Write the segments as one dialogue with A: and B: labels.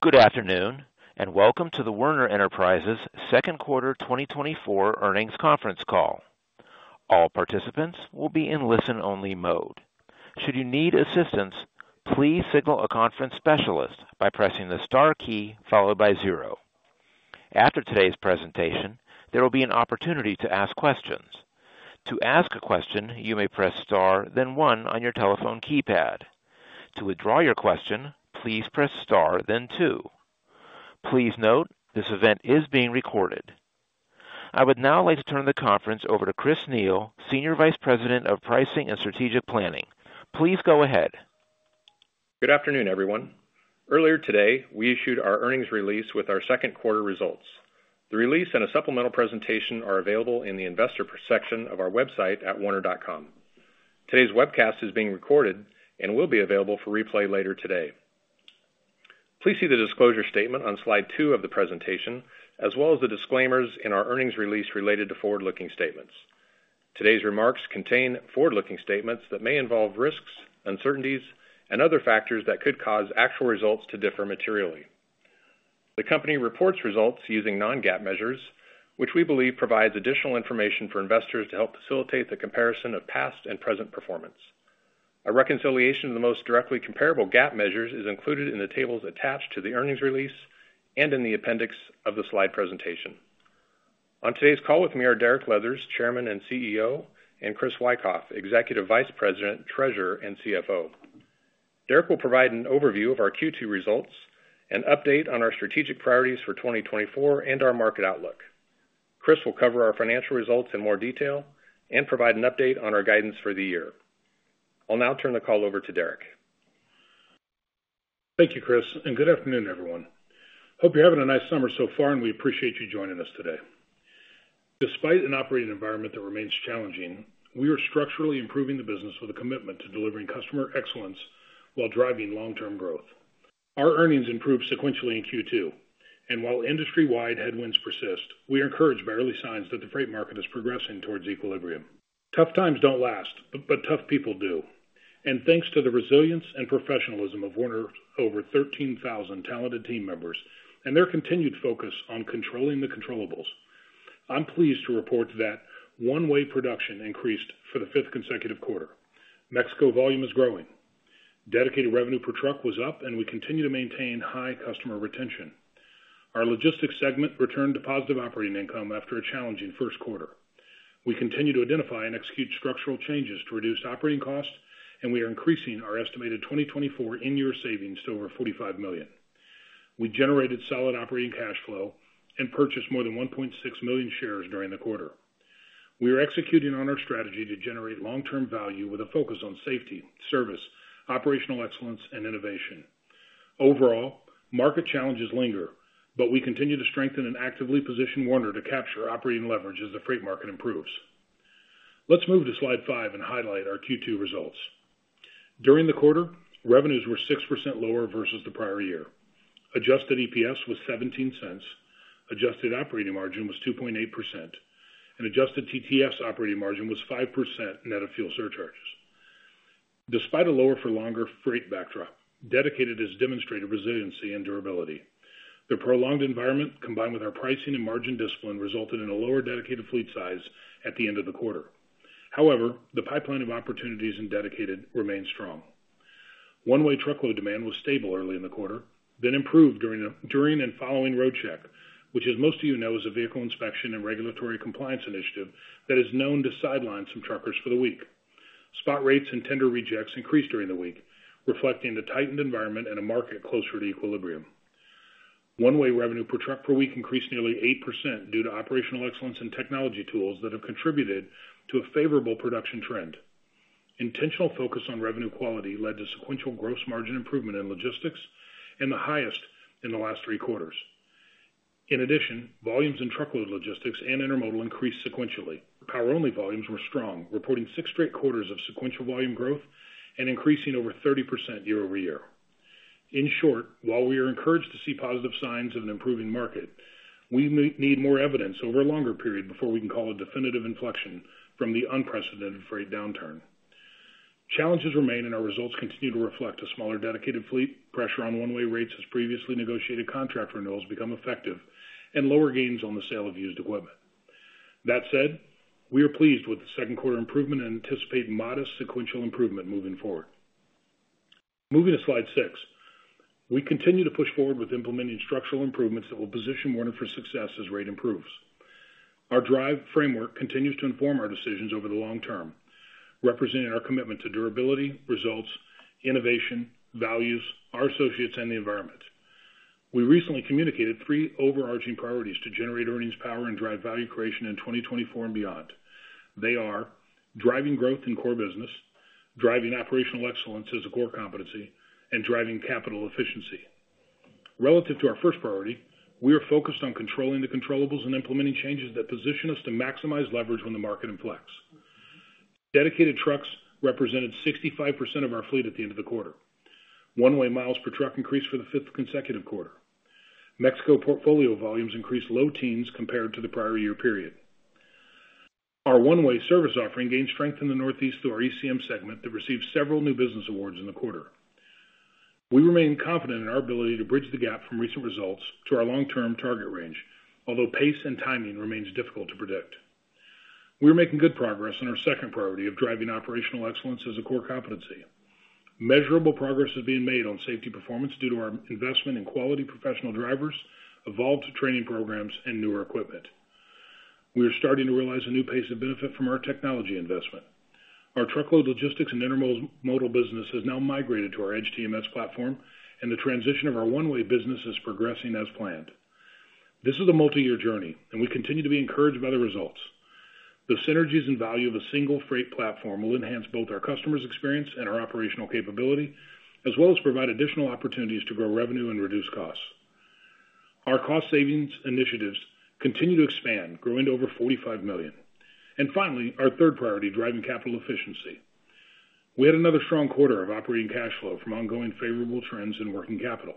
A: Good afternoon, and welcome to the Werner Enterprises Second Quarter 2024 Earnings Conference Call. All participants will be in listen-only mode. Should you need assistance, please signal a conference specialist by pressing the star key followed by zero. After today's presentation, there will be an opportunity to ask questions. To ask a question, you may press star, then one on your telephone keypad. To withdraw your question, please press star, then two. Please note this event is being recorded. I would now like to turn the conference over to Chris Neil, Senior Vice President of Pricing and Strategic Planning. Please go ahead.
B: Good afternoon, everyone. Earlier today, we issued our earnings release with our second quarter results. The release and a supplemental presentation are available in the investor section of our website at werner.com. Today's webcast is being recorded and will be available for replay later today. Please see the disclosure statement on slide two of the presentation, as well as the disclaimers in our earnings release related to forward-looking statements. Today's remarks contain forward-looking statements that may involve risks, uncertainties, and other factors that could cause actual results to differ materially. The company reports results using non-GAAP measures, which we believe provides additional information for investors to help facilitate the comparison of past and present performance. A reconciliation of the most directly comparable GAAP measures is included in the tables attached to the earnings release and in the appendix of the slide presentation. On today's call with me are Derek Leathers, Chairman and CEO, and Chris Wikoff, Executive Vice President, Treasurer, and CFO. Derek will provide an overview of our Q2 results and update on our strategic priorities for 2024 and our market outlook. Chris will cover our financial results in more detail and provide an update on our guidance for the year. I'll now turn the call over to Derek.
C: Thank you, Chris, and good afternoon, everyone. Hope you're having a nice summer so far, and we appreciate you joining us today. Despite an operating environment that remains challenging, we are structurally improving the business with a commitment to delivering customer excellence while driving long-term growth. Our earnings improved sequentially in Q2, and while industry-wide headwinds persist, we are encouraged by early signs that the freight market is progressing towards equilibrium. Tough times don't last, but tough people do. Thanks to the resilience and professionalism of Werner's over 13,000 talented team members and their continued focus on controlling the controllables, I'm pleased to report that One-Way production increased for the fifth consecutive quarter. Mexico volume is growing. Dedicated revenue per truck was up, and we continue to maintain high customer retention. Our logistics segment returned to positive operating income after a challenging first quarter. We continue to identify and execute structural changes to reduce operating costs, and we are increasing our estimated 2024 in-year savings to over $45 million. We generated solid operating cash flow and purchased more than 1.6 million shares during the quarter. We are executing on our strategy to generate long-term value with a focus on safety, service, operational excellence, and innovation. Overall, market challenges linger, but we continue to strengthen and actively position Werner to capture operating leverage as the freight market improves. Let's move to slide five and highlight our Q2 results. During the quarter, revenues were 6% lower versus the prior year. Adjusted EPS was $0.17. Adjusted operating margin was 2.8%. Adjusted TTS operating margin was 5% net of fuel surcharges. Despite a lower-for-longer freight backdrop, dedicated has demonstrated resiliency and durability. The prolonged environment, combined with our pricing and margin discipline, resulted in a lower dedicated fleet size at the end of the quarter. However, the pipeline of opportunities in dedicated remained strong. One-Way truckload demand was stable early in the quarter, then improved during and following Roadcheck, which, as most of you know, is a vehicle inspection and regulatory compliance initiative that is known to sideline some truckers for the week. Spot rates and tender rejects increased during the week, reflecting the tightened environment and a market closer to equilibrium. One-Way revenue per truck per week increased nearly 8% due to operational excellence and technology tools that have contributed to a favorable production trend. Intentional focus on revenue quality led to sequential gross margin improvement in logistics and the highest in the last three quarters. In addition, volumes in truckload logistics and Intermodal increased sequentially. Power-only volumes were strong, reporting six straight quarters of sequential volume growth and increasing over 30% year-over-year. In short, while we are encouraged to see positive signs of an improving market, we need more evidence over a longer period before we can call a definitive inflection from the unprecedented freight downturn. Challenges remain, and our results continue to reflect a smaller dedicated fleet, pressure on One-Way rates as previously negotiated contract renewals become effective, and lower gains on the sale of used equipment. That said, we are pleased with the second quarter improvement and anticipate modest sequential improvement moving forward. Moving to slide six, we continue to push forward with implementing structural improvements that will position Werner for success as rate improves. Our DRIVE framework continues to inform our decisions over the long term, representing our commitment to durability, results, innovation, values, our associates, and the environment. We recently communicated three overarching priorities to generate earnings, power, and drive value creation in 2024 and beyond. They are driving growth in core business, driving operational excellence as a core competency, and driving capital efficiency. Relative to our first priority, we are focused on controlling the controllables, implementing changes that position us to maximize leverage when the market inflects. Dedicated trucks represented 65% of our fleet at the end of the quarter. One-way miles per truck increased for the fifth consecutive quarter. Mexico portfolio volumes increased low teens compared to the prior year period. Our One-Way service offering gained strength in the Northeast through our ECM segment that received several new business awards in the quarter. We remain confident in our ability to bridge the gap from recent results to our long-term target range, although pace and timing remain difficult to predict. We are making good progress on our second priority of driving operational excellence as a core competency. Measurable progress is being made on safety performance due to our investment in quality professional drivers, evolved training programs, and newer equipment. We are starting to realize a new pace of benefit from our technology investment. Our truckload logistics and Intermodal business has now migrated to our EDGE TMS platform, and the transition of our One-Way business is progressing as planned. This is a multi-year journey, and we continue to be encouraged by the results. The synergies and value of a single freight platform will enhance both our customers' experience and our operational capability, as well as provide additional opportunities to grow revenue and reduce costs. Our cost savings initiatives continue to expand, growing to over $45 million. And finally, our third priority, driving capital efficiency. We had another strong quarter of operating cash flow from ongoing favorable trends in working capital.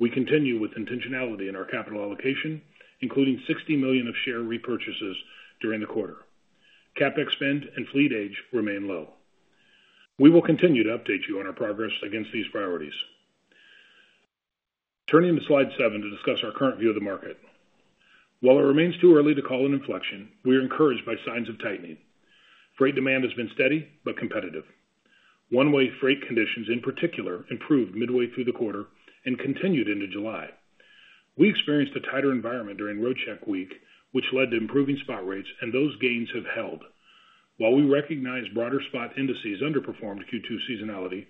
C: We continue with intentionality in our capital allocation, including $60 million of share repurchases during the quarter. CapEx spend and fleet age remain low. We will continue to update you on our progress against these priorities. Turning to slide seven to discuss our current view of the market. While it remains too early to call an inflection, we are encouraged by signs of tightening. Freight demand has been steady but competitive. One-way freight conditions, in particular, improved midway through the quarter and continued into July. We experienced a tighter environment during Roadcheck week, which led to improving spot rates, and those gains have held. While we recognize broader spot indices underperformed Q2 seasonality,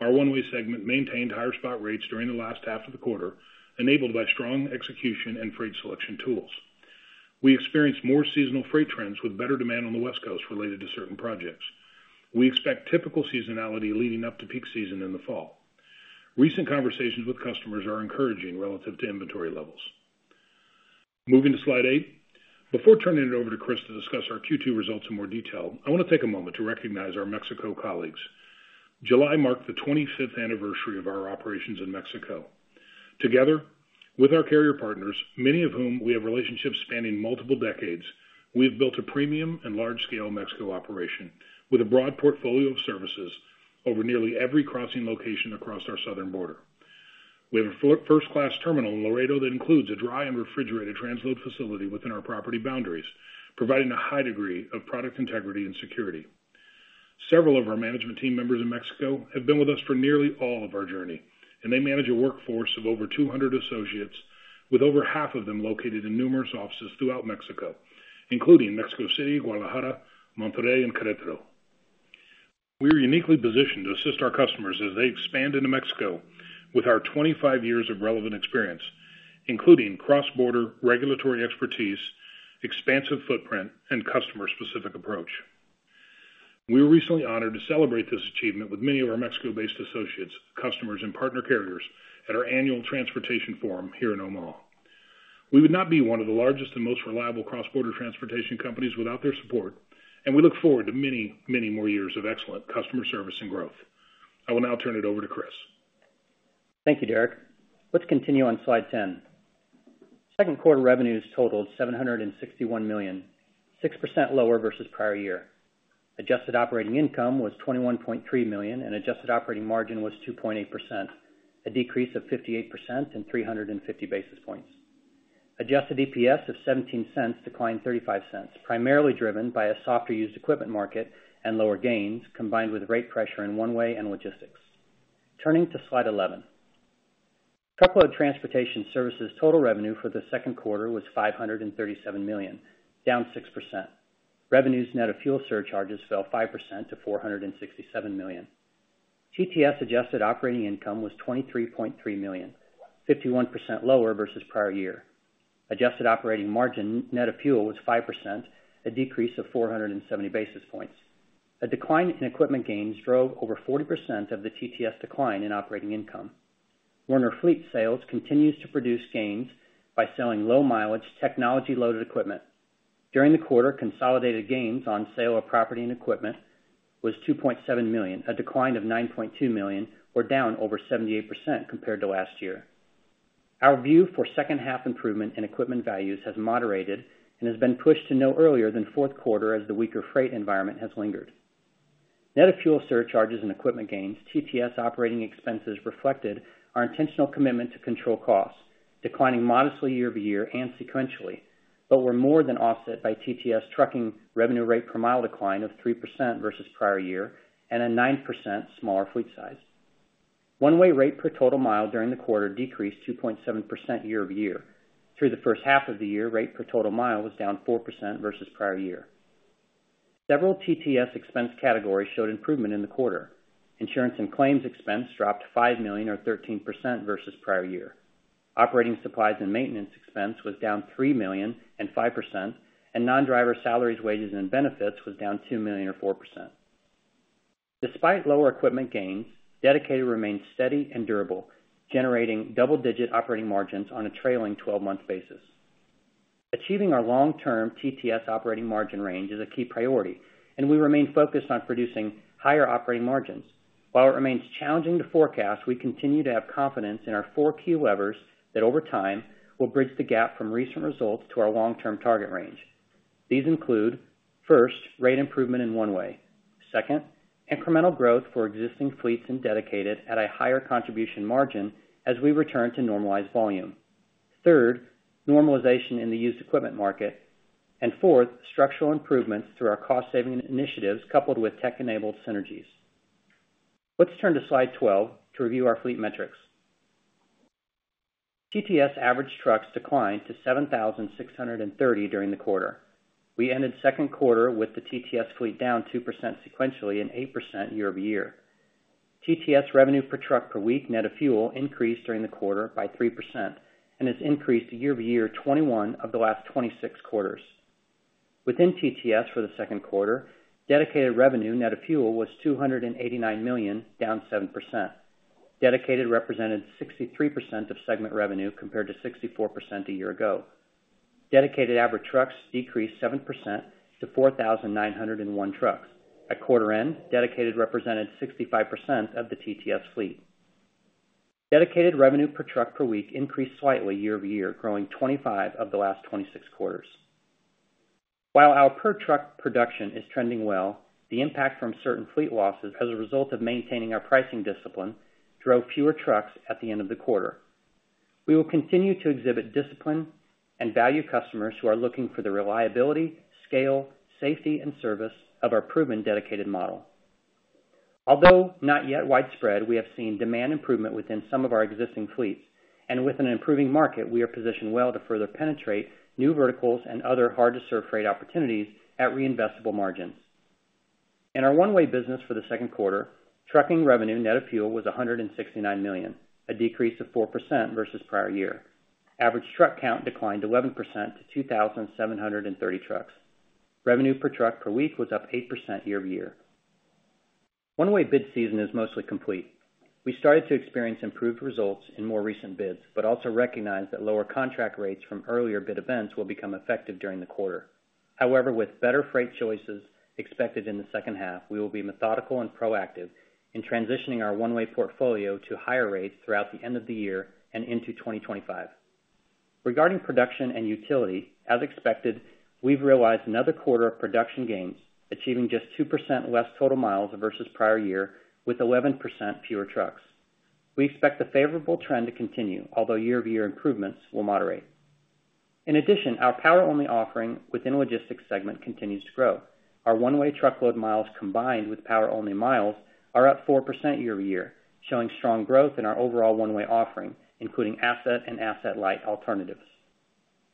C: our One-Way segment maintained higher spot rates during the last half of the quarter, enabled by strong execution and freight selection tools. We experienced more seasonal freight trends with better demand on the West Coast related to certain projects. We expect typical seasonality leading up to peak season in the fall. Recent conversations with customers are encouraging relative to inventory levels. Moving to slide eight. Before turning it over to Chris to discuss our Q2 results in more detail, I want to take a moment to recognize our Mexico colleagues. July marked the 25th anniversary of our operations in Mexico. Together with our carrier partners, many of whom we have relationships spanning multiple decades, we have built a premium and large-scale Mexico operation with a broad portfolio of services over nearly every crossing location across our southern border. We have a first-class terminal in Laredo that includes a dry and refrigerated transload facility within our property boundaries, providing a high degree of product integrity and security. Several of our management team members in Mexico have been with us for nearly all of our journey, and they manage a workforce of over 200 associates, with over half of them located in numerous offices throughout Mexico, including Mexico City, Guadalajara, Monterrey, and Querétaro. We are uniquely positioned to assist our customers as they expand into Mexico with our 25 years of relevant experience, including cross-border regulatory expertise, expansive footprint, and customer-specific approach. We were recently honored to celebrate this achievement with many of our Mexico-based associates, customers, and partner carriers at our annual transportation forum here in Omaha. We would not be one of the largest and most reliable cross-border transportation companies without their support, and we look forward to many, many more years of excellent customer service and growth. I will now turn it over to Chris.
D: Thank you, Derek. Let's continue on slide 10. Second quarter revenues totaled $761 million, 6% lower versus prior year. Adjusted operating income was $21.3 million, and adjusted operating margin was 2.8%, a decrease of 58% and 350 basis points. Adjusted EPS of $0.17 declined $0.35, primarily driven by a softer used equipment market and lower gains, combined with rate pressure in One-Way and logistics. Turning to slide 11. Truckload transportation services total revenue for the second quarter was $537 million, down 6%. Revenues net of fuel surcharges fell 5% to $467 million. TTS adjusted operating income was $23.3 million, 51% lower versus prior year. Adjusted operating margin net of fuel was 5%, a decrease of 470 basis points. A decline in equipment gains drove over 40% of the TTS decline in operating income. Werner Fleet Sales continues to produce gains by selling low-mileage, technology-loaded equipment. During the quarter, consolidated gains on sale of property and equipment was $2.7 million, a decline of $9.2 million, or down over 78% compared to last year. Our view for second-half improvement in equipment values has moderated and has been pushed to no earlier than fourth quarter as the weaker freight environment has lingered. Net of fuel surcharges and equipment gains, TTS operating expenses reflected our intentional commitment to control costs, declining modestly year-to-year and sequentially, but were more than offset by TTS trucking revenue rate per mile decline of 3% versus prior year and a 9% smaller fleet size. One-way rate per total mile during the quarter decreased 2.7% year-to-year. Through the first half of the year, rate per total mile was down 4% versus prior year. Several TTS expense categories showed improvement in the quarter. Insurance and claims expense dropped $5 million, or 13% versus prior year. Operating supplies and maintenance expense was down $3 million, and 5%, and non-driver salaries, wages, and benefits was down $2 million, or 4%. Despite lower equipment gains, dedicated remained steady and durable, generating double-digit operating margins on a trailing 12-month basis. Achieving our long-term TTS operating margin range is a key priority, and we remain focused on producing higher operating margins. While it remains challenging to forecast, we continue to have confidence in our four key levers that, over time, will bridge the gap from recent results to our long-term target range. These include, first, rate improvement in One-Way. Second, incremental growth for existing fleets and dedicated at a higher contribution margin as we return to normalized volume. Third, normalization in the used equipment market. And fourth, structural improvements through our cost-saving initiatives coupled with tech-enabled synergies. Let's turn to slide 12 to review our fleet metrics. TTS average trucks declined to 7,630 during the quarter. We ended second quarter with the TTS fleet down 2% sequentially and 8% year-to-year. TTS revenue per truck per week net of fuel increased during the quarter by 3% and has increased year-to-year 21 of the last 26 quarters. Within TTS for the second quarter, dedicated revenue net of fuel was $289 million, down 7%. Dedicated represented 63% of segment revenue compared to 64% a year ago. Dedicated average trucks decreased 7% to 4,901 trucks. At quarter end, dedicated represented 65% of the TTS fleet. Dedicated revenue per truck per week increased slightly year-to-year, growing 25 of the last 26 quarters. While our per truck production is trending well, the impact from certain fleet losses as a result of maintaining our pricing discipline drove fewer trucks at the end of the quarter. We will continue to exhibit discipline and value customers who are looking for the reliability, scale, safety, and service of our proven dedicated model. Although not yet widespread, we have seen demand improvement within some of our existing fleets, and with an improving market, we are positioned well to further penetrate new verticals and other hard-to-serve freight opportunities at reinvestable margins. In our One-Way business for the second quarter, trucking revenue net of fuel was $169 million, a decrease of 4% versus prior year. Average truck count declined 11% to 2,730 trucks. Revenue per truck per week was up 8% year-to-year. One-way bid season is mostly complete. We started to experience improved results in more recent bids, but also recognize that lower contract rates from earlier bid events will become effective during the quarter. However, with better freight choices expected in the second half, we will be methodical and proactive in transitioning our One-Way portfolio to higher rates throughout the end of the year and into 2025. Regarding production and utility, as expected, we've realized another quarter of production gains, achieving just 2% less total miles versus prior year with 11% fewer trucks. We expect the favorable trend to continue, although year-to-year improvements will moderate. In addition, our power-only offering within logistics segment continues to grow. Our One-Way truckload miles combined with power-only miles are up 4% year-to-year, showing strong growth in our overall One-Way offering, including asset and asset-light alternatives.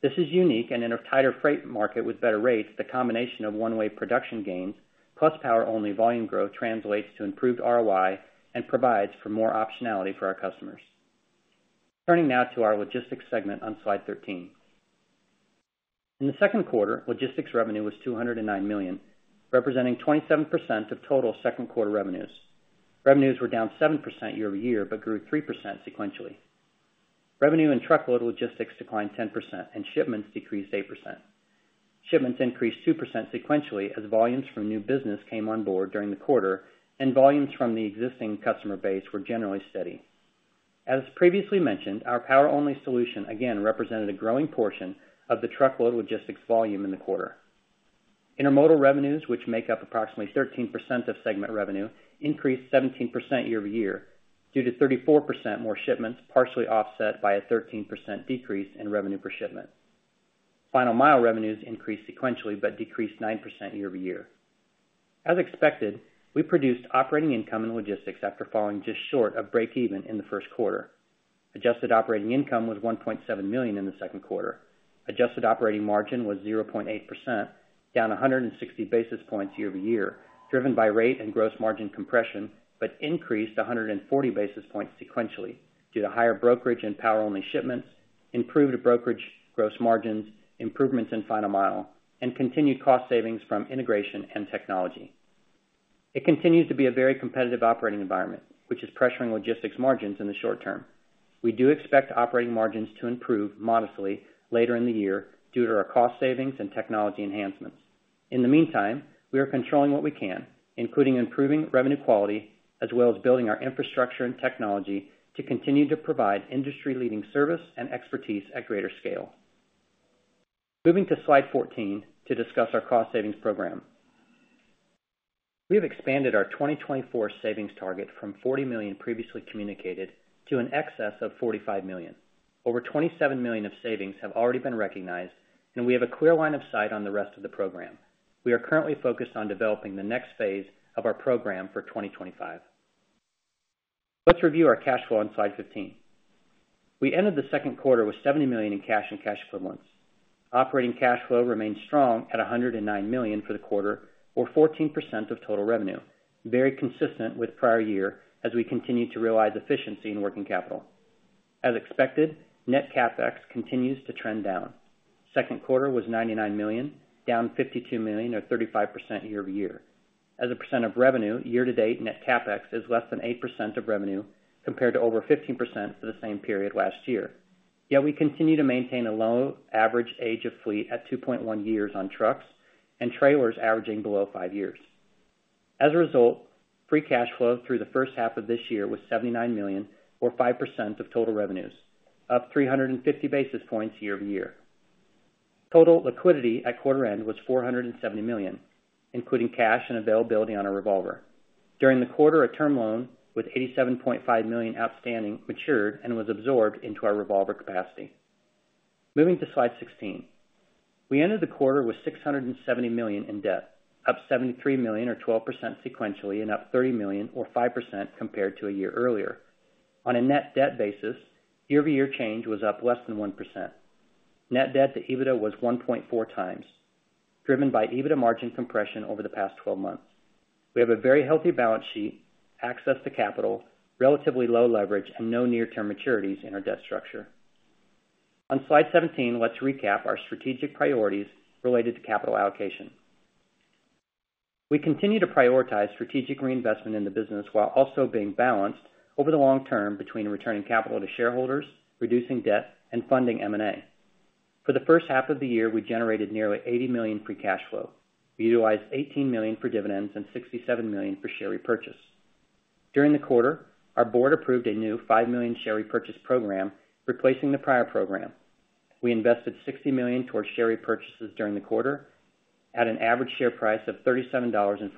D: This is unique in a tighter freight market with better rates. The combination of One-Way production gains plus power-only volume growth translates to improved ROI and provides for more optionality for our customers. Turning now to our logistics segment on slide 13. In the second quarter, logistics revenue was $209 million, representing 27% of total second quarter revenues. Revenues were down 7% year-over-year but grew 3% sequentially. Revenue and truckload logistics declined 10%, and shipments decreased 8%. Shipments increased 2% sequentially as volumes from new business came on board during the quarter, and volumes from the existing customer base were generally steady. As previously mentioned, our power-only solution again represented a growing portion of the truckload logistics volume in the quarter. Intermodal revenues, which make up approximately 13% of segment revenue, increased 17% year-over-year due to 34% more shipments, partially offset by a 13% decrease in revenue per shipment. Final mile revenues increased sequentially but decreased 9% year-over-year. As expected, we produced operating income in logistics after falling just short of break-even in the first quarter. Adjusted operating income was $1.7 million in the second quarter. Adjusted operating margin was 0.8%, down 160 basis points year-to-year, driven by rate and gross margin compression, but increased 140 basis points sequentially due to higher brokerage and power-only shipments, improved brokerage gross margins, improvements in final mile, and continued cost savings from integration and technology. It continues to be a very competitive operating environment, which is pressuring logistics margins in the short term. We do expect operating margins to improve modestly later in the year due to our cost savings and technology enhancements. In the meantime, we are controlling what we can, including improving revenue quality as well as building our infrastructure and technology to continue to provide industry-leading service and expertise at greater scale. Moving to slide 14 to discuss our cost savings program. We have expanded our 2024 savings target from $40 million previously communicated to an excess of $45 million. Over $27 million of savings have already been recognized, and we have a clear line of sight on the rest of the program. We are currently focused on developing the next phase of our program for 2025. Let's review our cash flow on slide 15. We ended the second quarter with $70 million in cash and cash equivalents. Operating cash flow remained strong at $109 million for the quarter, or 14% of total revenue, very consistent with prior year as we continue to realize efficiency in working capital. As expected, net CapEx continues to trend down. Second quarter was $99 million, down $52 million, or 35% year-to-year. As a percent of revenue, year-to-date, net CapEx is less than 8% of revenue compared to over 15% for the same period last year. Yet we continue to maintain a low average age of fleet at 2.1 years on trucks and trailers averaging below 5 years. As a result, free cash flow through the first half of this year was $79 million, or 5% of total revenues, up 350 basis points year-to-year. Total liquidity at quarter end was $470 million, including cash and availability on a revolver. During the quarter, a term loan with $87.5 million outstanding matured and was absorbed into our revolver capacity. Moving to slide 16. We ended the quarter with $670 million in debt, up $73 million, or 12% sequentially, and up $30 million, or 5% compared to a year earlier. On a net debt basis, year-to-year change was up less than 1%. Net debt to EBITDA was 1.4x, driven by EBITDA margin compression over the past 12 months. We have a very healthy balance sheet, access to capital, relatively low leverage, and no near-term maturities in our debt structure. On slide 17, let's recap our strategic priorities related to capital allocation. We continue to prioritize strategic reinvestment in the business while also being balanced over the long term between returning capital to shareholders, reducing debt, and funding M&A. For the first half of the year, we generated nearly $80 million free cash flow. We utilized $18 million for dividends and $67 million for share repurchase. During the quarter, our board approved a new 5 million share repurchase program, replacing the prior program. We invested $60 million towards share repurchases during the quarter at an average share price of $37.04.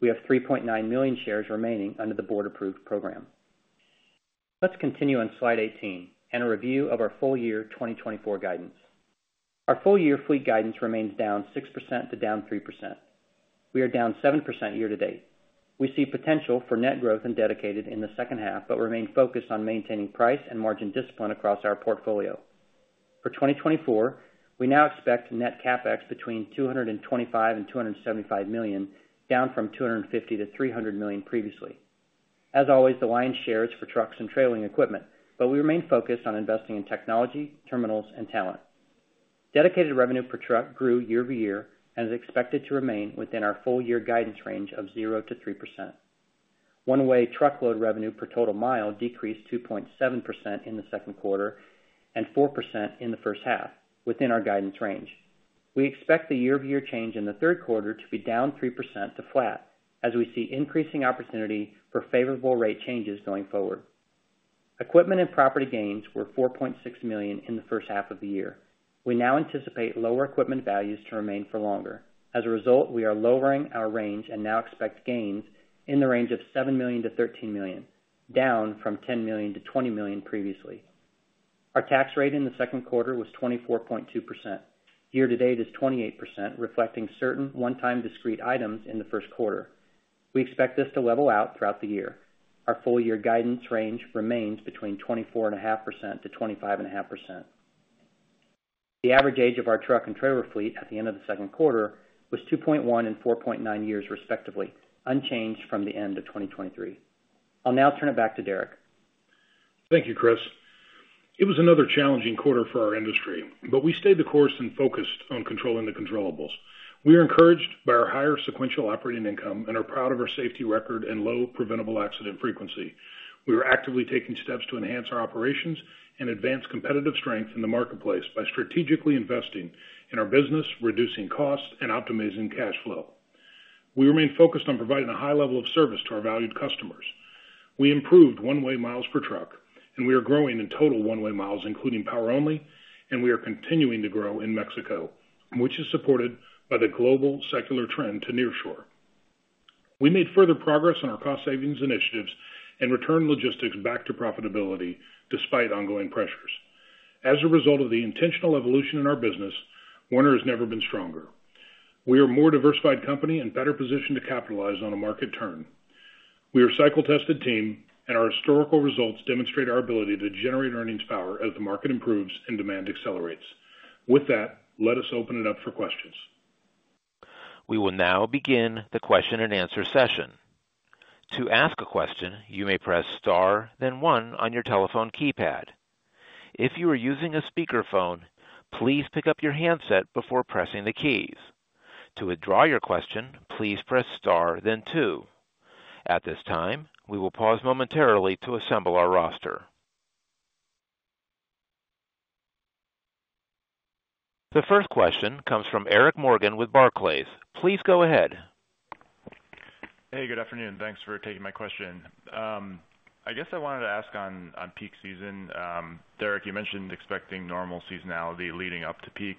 D: We have 3.9 million shares remaining under the board-approved program. Let's continue on slide 18 and a review of our full year 2024 guidance. Our full year fleet guidance remains down 6% to down 3%. We are down 7% year-to-date. We see potential for net growth in dedicated in the second half, but remain focused on maintaining price and margin discipline across our portfolio. For 2024, we now expect net CapEx between $225 million-$275 million, down from $250 million-$300 million previously. As always, the lion's share for trucks and trailer equipment, but we remain focused on investing in technology, terminals, and talent. Dedicated revenue per truck grew year-to-year and is expected to remain within our full year guidance range of 0%-3%. One-way truckload revenue per total mile decreased 2.7% in the second quarter and 4% in the first half, within our guidance range. We expect the year-to-year change in the third quarter to be down 3% to flat as we see increasing opportunity for favorable rate changes going forward. Equipment and property gains were $4.6 million in the first half of the year. We now anticipate lower equipment values to remain for longer. As a result, we are lowering our range and now expect gains in the range of $7 million-$13 million, down from $10 million-$20 million previously. Our tax rate in the second quarter was 24.2%. Year-to-date is 28%, reflecting certain one-time discrete items in the first quarter. We expect this to level out throughout the year. Our full year guidance range remains between 24.5%-25.5%. The average age of our truck and trailer fleet at the end of the second quarter was 2.1 and 4.9 years, respectively, unchanged from the end of 2023. I'll now turn it back to Derek.
C: Thank you, Chris. It was another challenging quarter for our industry, but we stayed the course and focused on controlling the controllables. We are encouraged by our higher sequential operating income and are proud of our safety record and low preventable accident frequency. We are actively taking steps to enhance our operations and advance competitive strength in the marketplace by strategically investing in our business, reducing costs, and optimizing cash flow. We remain focused on providing a high level of service to our valued customers. We improved One-Way miles per truck, and we are growing in total One-Way miles, including power-only, and we are continuing to grow in Mexico, which is supported by the global secular trend to nearshore. We made further progress on our cost savings initiatives and returned logistics back to profitability despite ongoing pressures. As a result of the intentional evolution in our business, Werner has never been stronger. We are a more diversified company and better positioned to capitalize on a market turn. We are a cycle-tested team, and our historical results demonstrate our ability to generate earnings power as the market improves and demand accelerates. With that, let us open it up for questions.
A: We will now begin the question and answer session. To ask a question, you may press star, then one on your telephone keypad. If you are using a speakerphone, please pick up your handset before pressing the keys. To withdraw your question, please press star, then two. At this time, we will pause momentarily to assemble our roster. The first question comes from Eric Morgan with Barclays. Please go ahead.
E: Hey, good afternoon. Thanks for taking my question. I guess I wanted to ask on peak season. Derek, you mentioned expecting normal seasonality leading up to peak.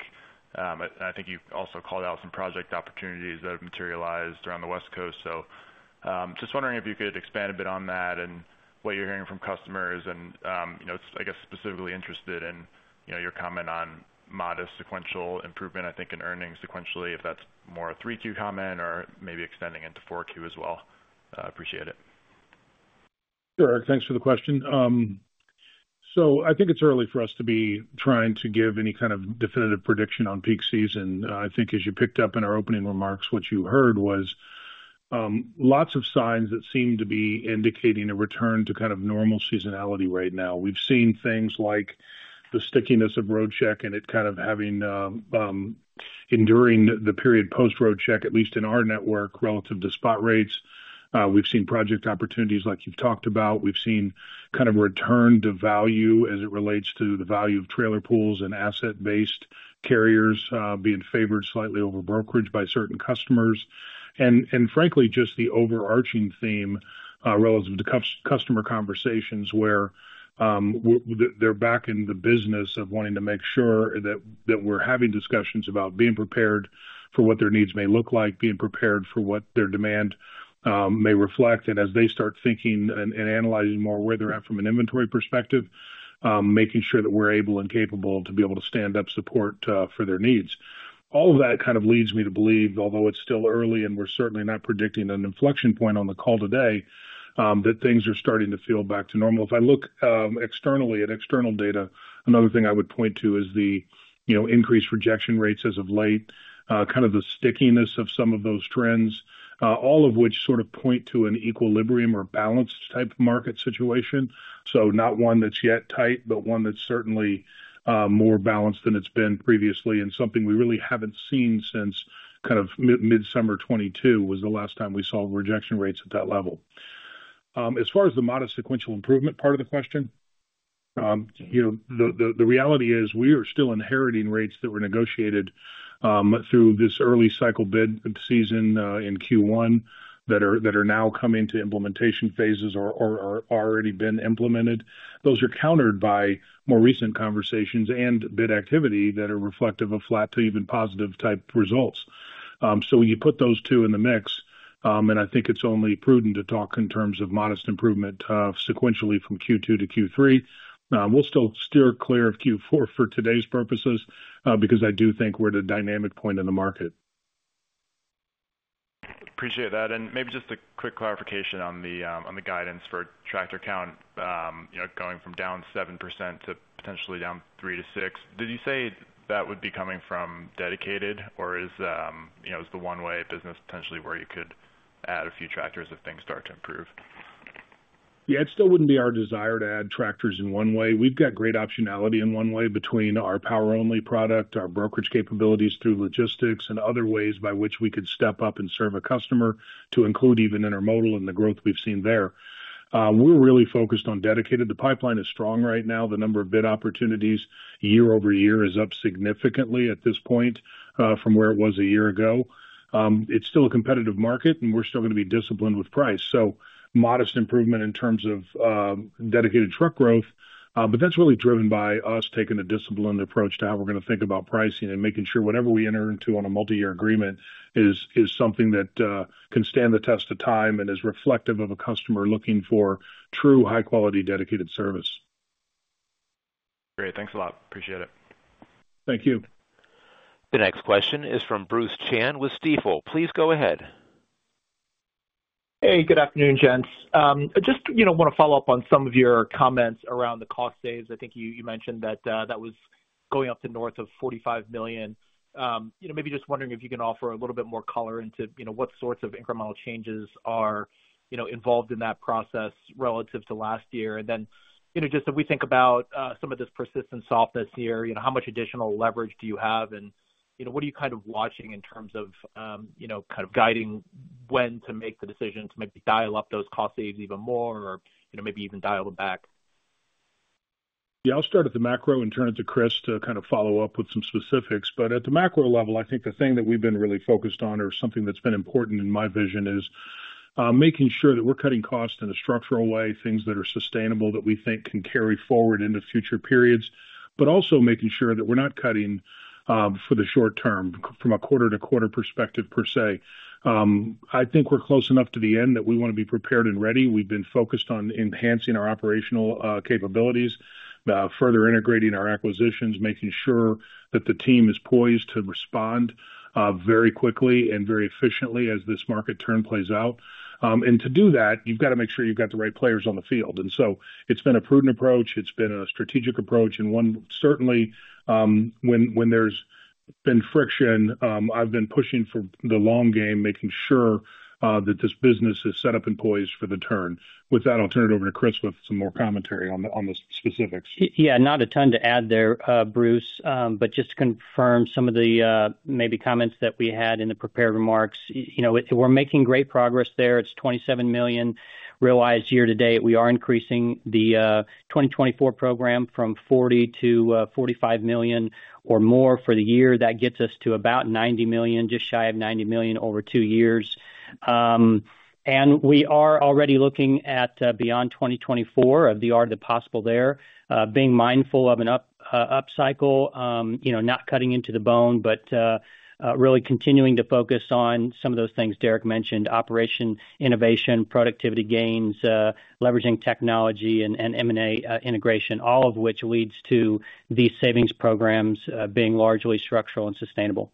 E: I think you also called out some project opportunities that have materialized around the West Coast. So just wondering if you could expand a bit on that and what you're hearing from customers? And I guess specifically interested in your comment on modest sequential improvement, I think, in earnings sequentially, if that's more a 3Q comment or maybe extending into 4Q as well? Appreciate it.
C: Sure. Thanks for the question. So I think it's early for us to be trying to give any kind of definitive prediction on peak season. I think as you picked up in our opening remarks, what you heard was lots of signs that seem to be indicating a return to kind of normal seasonality right now. We've seen things like the stickiness of Roadcheck and it kind of having enduring the period post-Roadcheck, at least in our network, relative to spot rates. We've seen project opportunities like you've talked about. We've seen kind of return to value as it relates to the value of trailer pools and asset-based carriers being favored slightly over brokerage by certain customers. And frankly, just the overarching theme relative to customer conversations where they're back in the business of wanting to make sure that we're having discussions about being prepared for what their needs may look like, being prepared for what their demand may reflect. And as they start thinking and analyzing more where they're at from an inventory perspective, making sure that we're able and capable to be able to stand up support for their needs. All of that kind of leads me to believe, although it's still early and we're certainly not predicting an inflection point on the call today, that things are starting to feel back to normal. If I look externally at external data, another thing I would point to is the increased rejection rates as of late, kind of the stickiness of some of those trends, all of which sort of point to an equilibrium or balance type market situation. So not one that's yet tight, but one that's certainly more balanced than it's been previously. And something we really haven't seen since kind of mid-summer 2022 was the last time we saw rejection rates at that level. As far as the modest sequential improvement part of the question, the reality is we are still inheriting rates that were negotiated through this early cycle bid season in Q1 that are now coming to implementation phases or already been implemented. Those are countered by more recent conversations and bid activity that are reflective of flat to even positive type results. So when you put those two in the mix, and I think it's only prudent to talk in terms of modest improvement sequentially from Q2 to Q3, we'll still steer clear of Q4 for today's purposes because I do think we're at a dynamic point in the market.
E: Appreciate that. And maybe just a quick clarification on the guidance for tractor count going from down 7% to potentially down 3%-6%. Did you say that would be coming from dedicated, or is the One-Way business potentially where you could add a few tractors if things start to improve?
C: Yeah, it still wouldn't be our desire to add tractors in One-Way. We've got great optionality in One-Way between our Power-Only product, our brokerage capabilities through logistics, and other ways by which we could step up and serve a customer to include even Intermodal in the growth we've seen there. We're really focused on Dedicated. The pipeline is strong right now. The number of bid opportunities year-over-year is up significantly at this point from where it was a year ago. It's still a competitive market, and we're still going to be disciplined with price. So modest improvement in terms of dedicated truck growth, but that's really driven by us taking a disciplined approach to how we're going to think about pricing and making sure whatever we enter into on a multi-year agreement is something that can stand the test of time and is reflective of a customer looking for true high-quality dedicated service.
E: Great. Thanks a lot. Appreciate it.
C: Thank you.
A: The next question is from Bruce Chan with Stifel. Please go ahead.
F: Hey, good afternoon, gents. Just want to follow up on some of your comments around the cost saves. I think you mentioned that that was going up to north of $45 million. Maybe just wondering if you can offer a little bit more color into what sorts of incremental changes are involved in that process relative to last year. And then just if we think about some of this persistent softness here, how much additional leverage do you have? And what are you kind of watching in terms of kind of guiding when to make the decision to maybe dial up those cost saves even more or maybe even dial them back?
C: Yeah, I'll start at the macro and turn it to Chris to kind of follow up with some specifics. But at the macro level, I think the thing that we've been really focused on or something that's been important in my vision is making sure that we're cutting costs in a structural way, things that are sustainable that we think can carry forward into future periods, but also making sure that we're not cutting for the short term from a quarter-to-quarter perspective per se. I think we're close enough to the end that we want to be prepared and ready. We've been focused on enhancing our operational capabilities, further integrating our acquisitions, making sure that the team is poised to respond very quickly and very efficiently as this market turn plays out. And to do that, you've got to make sure you've got the right players on the field. And so it's been a prudent approach. It's been a strategic approach. Certainly, when there's been friction, I've been pushing for the long game, making sure that this business is set up and poised for the turn. With that, I'll turn it over to Chris with some more commentary on the specifics.
D: Yeah, not a ton to add there, Bruce, but just to confirm some of the maybe comments that we had in the prepared remarks. We're making great progress there. It's $27 million realized year-to-date. We are increasing the 2024 program from $40 million-$45 million or more for the year. That gets us to about $90 million, just shy of $90 million over two years. We are already looking at beyond 2024 of the art of the possible there, being mindful of an upcycle, not cutting into the bone, but really continuing to focus on some of those things Derek mentioned: operation, innovation, productivity gains, leveraging technology, and M&A integration, all of which leads to these savings programs being largely structural and sustainable.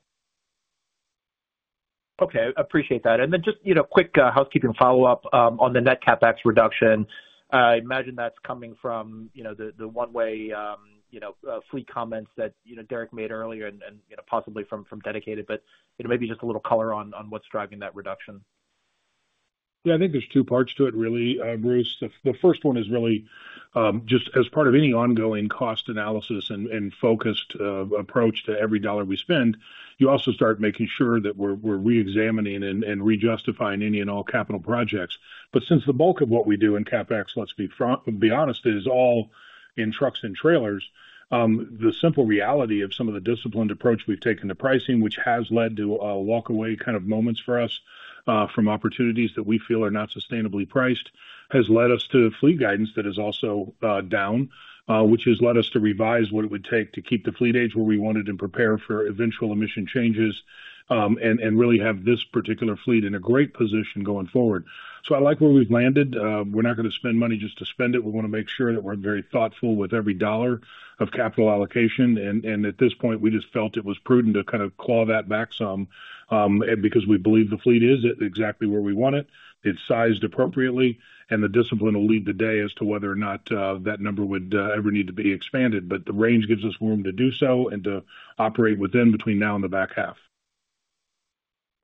F: Okay. Appreciate that. Just quick housekeeping follow-up on the net CapEx reduction. I imagine that's coming from the One-Way fleet comments that Derek made earlier and possibly from dedicated, but maybe just a little color on what's driving that reduction.
C: Yeah, I think there's two parts to it, really, Bruce. The first one is really just as part of any ongoing cost analysis and focused approach to every dollar we spend, you also start making sure that we're re-examining and re-justifying any and all capital projects. But since the bulk of what we do in CapEx, let's be honest, is all in trucks and trailers, the simple reality of some of the disciplined approach we've taken to pricing, which has led to walk-away kind of moments for us from opportunities that we feel are not sustainably priced, has led us to fleet guidance that is also down, which has led us to revise what it would take to keep the fleet age where we wanted and prepare for eventual emission changes and really have this particular fleet in a great position going forward. So I like where we've landed. We're not going to spend money just to spend it. We want to make sure that we're very thoughtful with every dollar of capital allocation. At this point, we just felt it was prudent to kind of claw that back some because we believe the fleet is exactly where we want it. It's sized appropriately, and the discipline will lead the day as to whether or not that number would ever need to be expanded. But the range gives us room to do so and to operate within between now and the back half.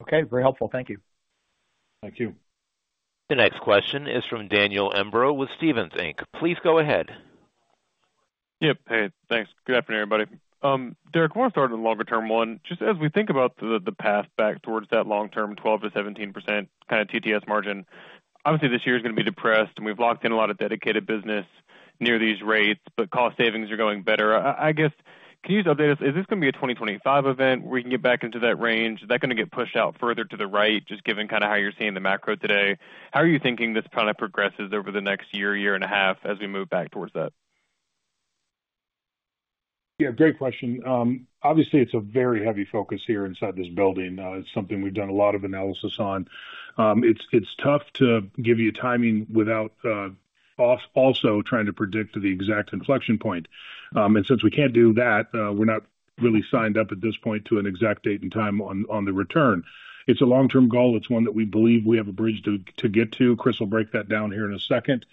F: Okay. Very helpful. Thank you.
C: Thank you.
A: The next question is from Daniel Imbro with Stephens Inc. Please go ahead.
G: Yep. Hey. Thanks. Good afternoon, everybody. Derek, I want to start with a longer-term one. Just as we think about the path back towards that long-term 12%-17% kind of TTS margin, obviously this year is going to be depressed, and we've locked in a lot of dedicated business near these rates, but cost savings are going better. I guess, can you just update us? Is this going to be a 2025 event where we can get back into that range? Is that going to get pushed out further to the right, just given kind of how you're seeing the macro today? How are you thinking this kind of progresses over the next year, year and a half as we move back towards that?
C: Yeah, great question. Obviously, it's a very heavy focus here inside this building. It's something we've done a lot of analysis on. It's tough to give you timing without also trying to predict the exact inflection point. And since we can't do that, we're not really signed up at this point to an exact date and time on the return. It's a long-term goal. It's one that we believe we have a bridge to get to. Chris will break that down here in a second.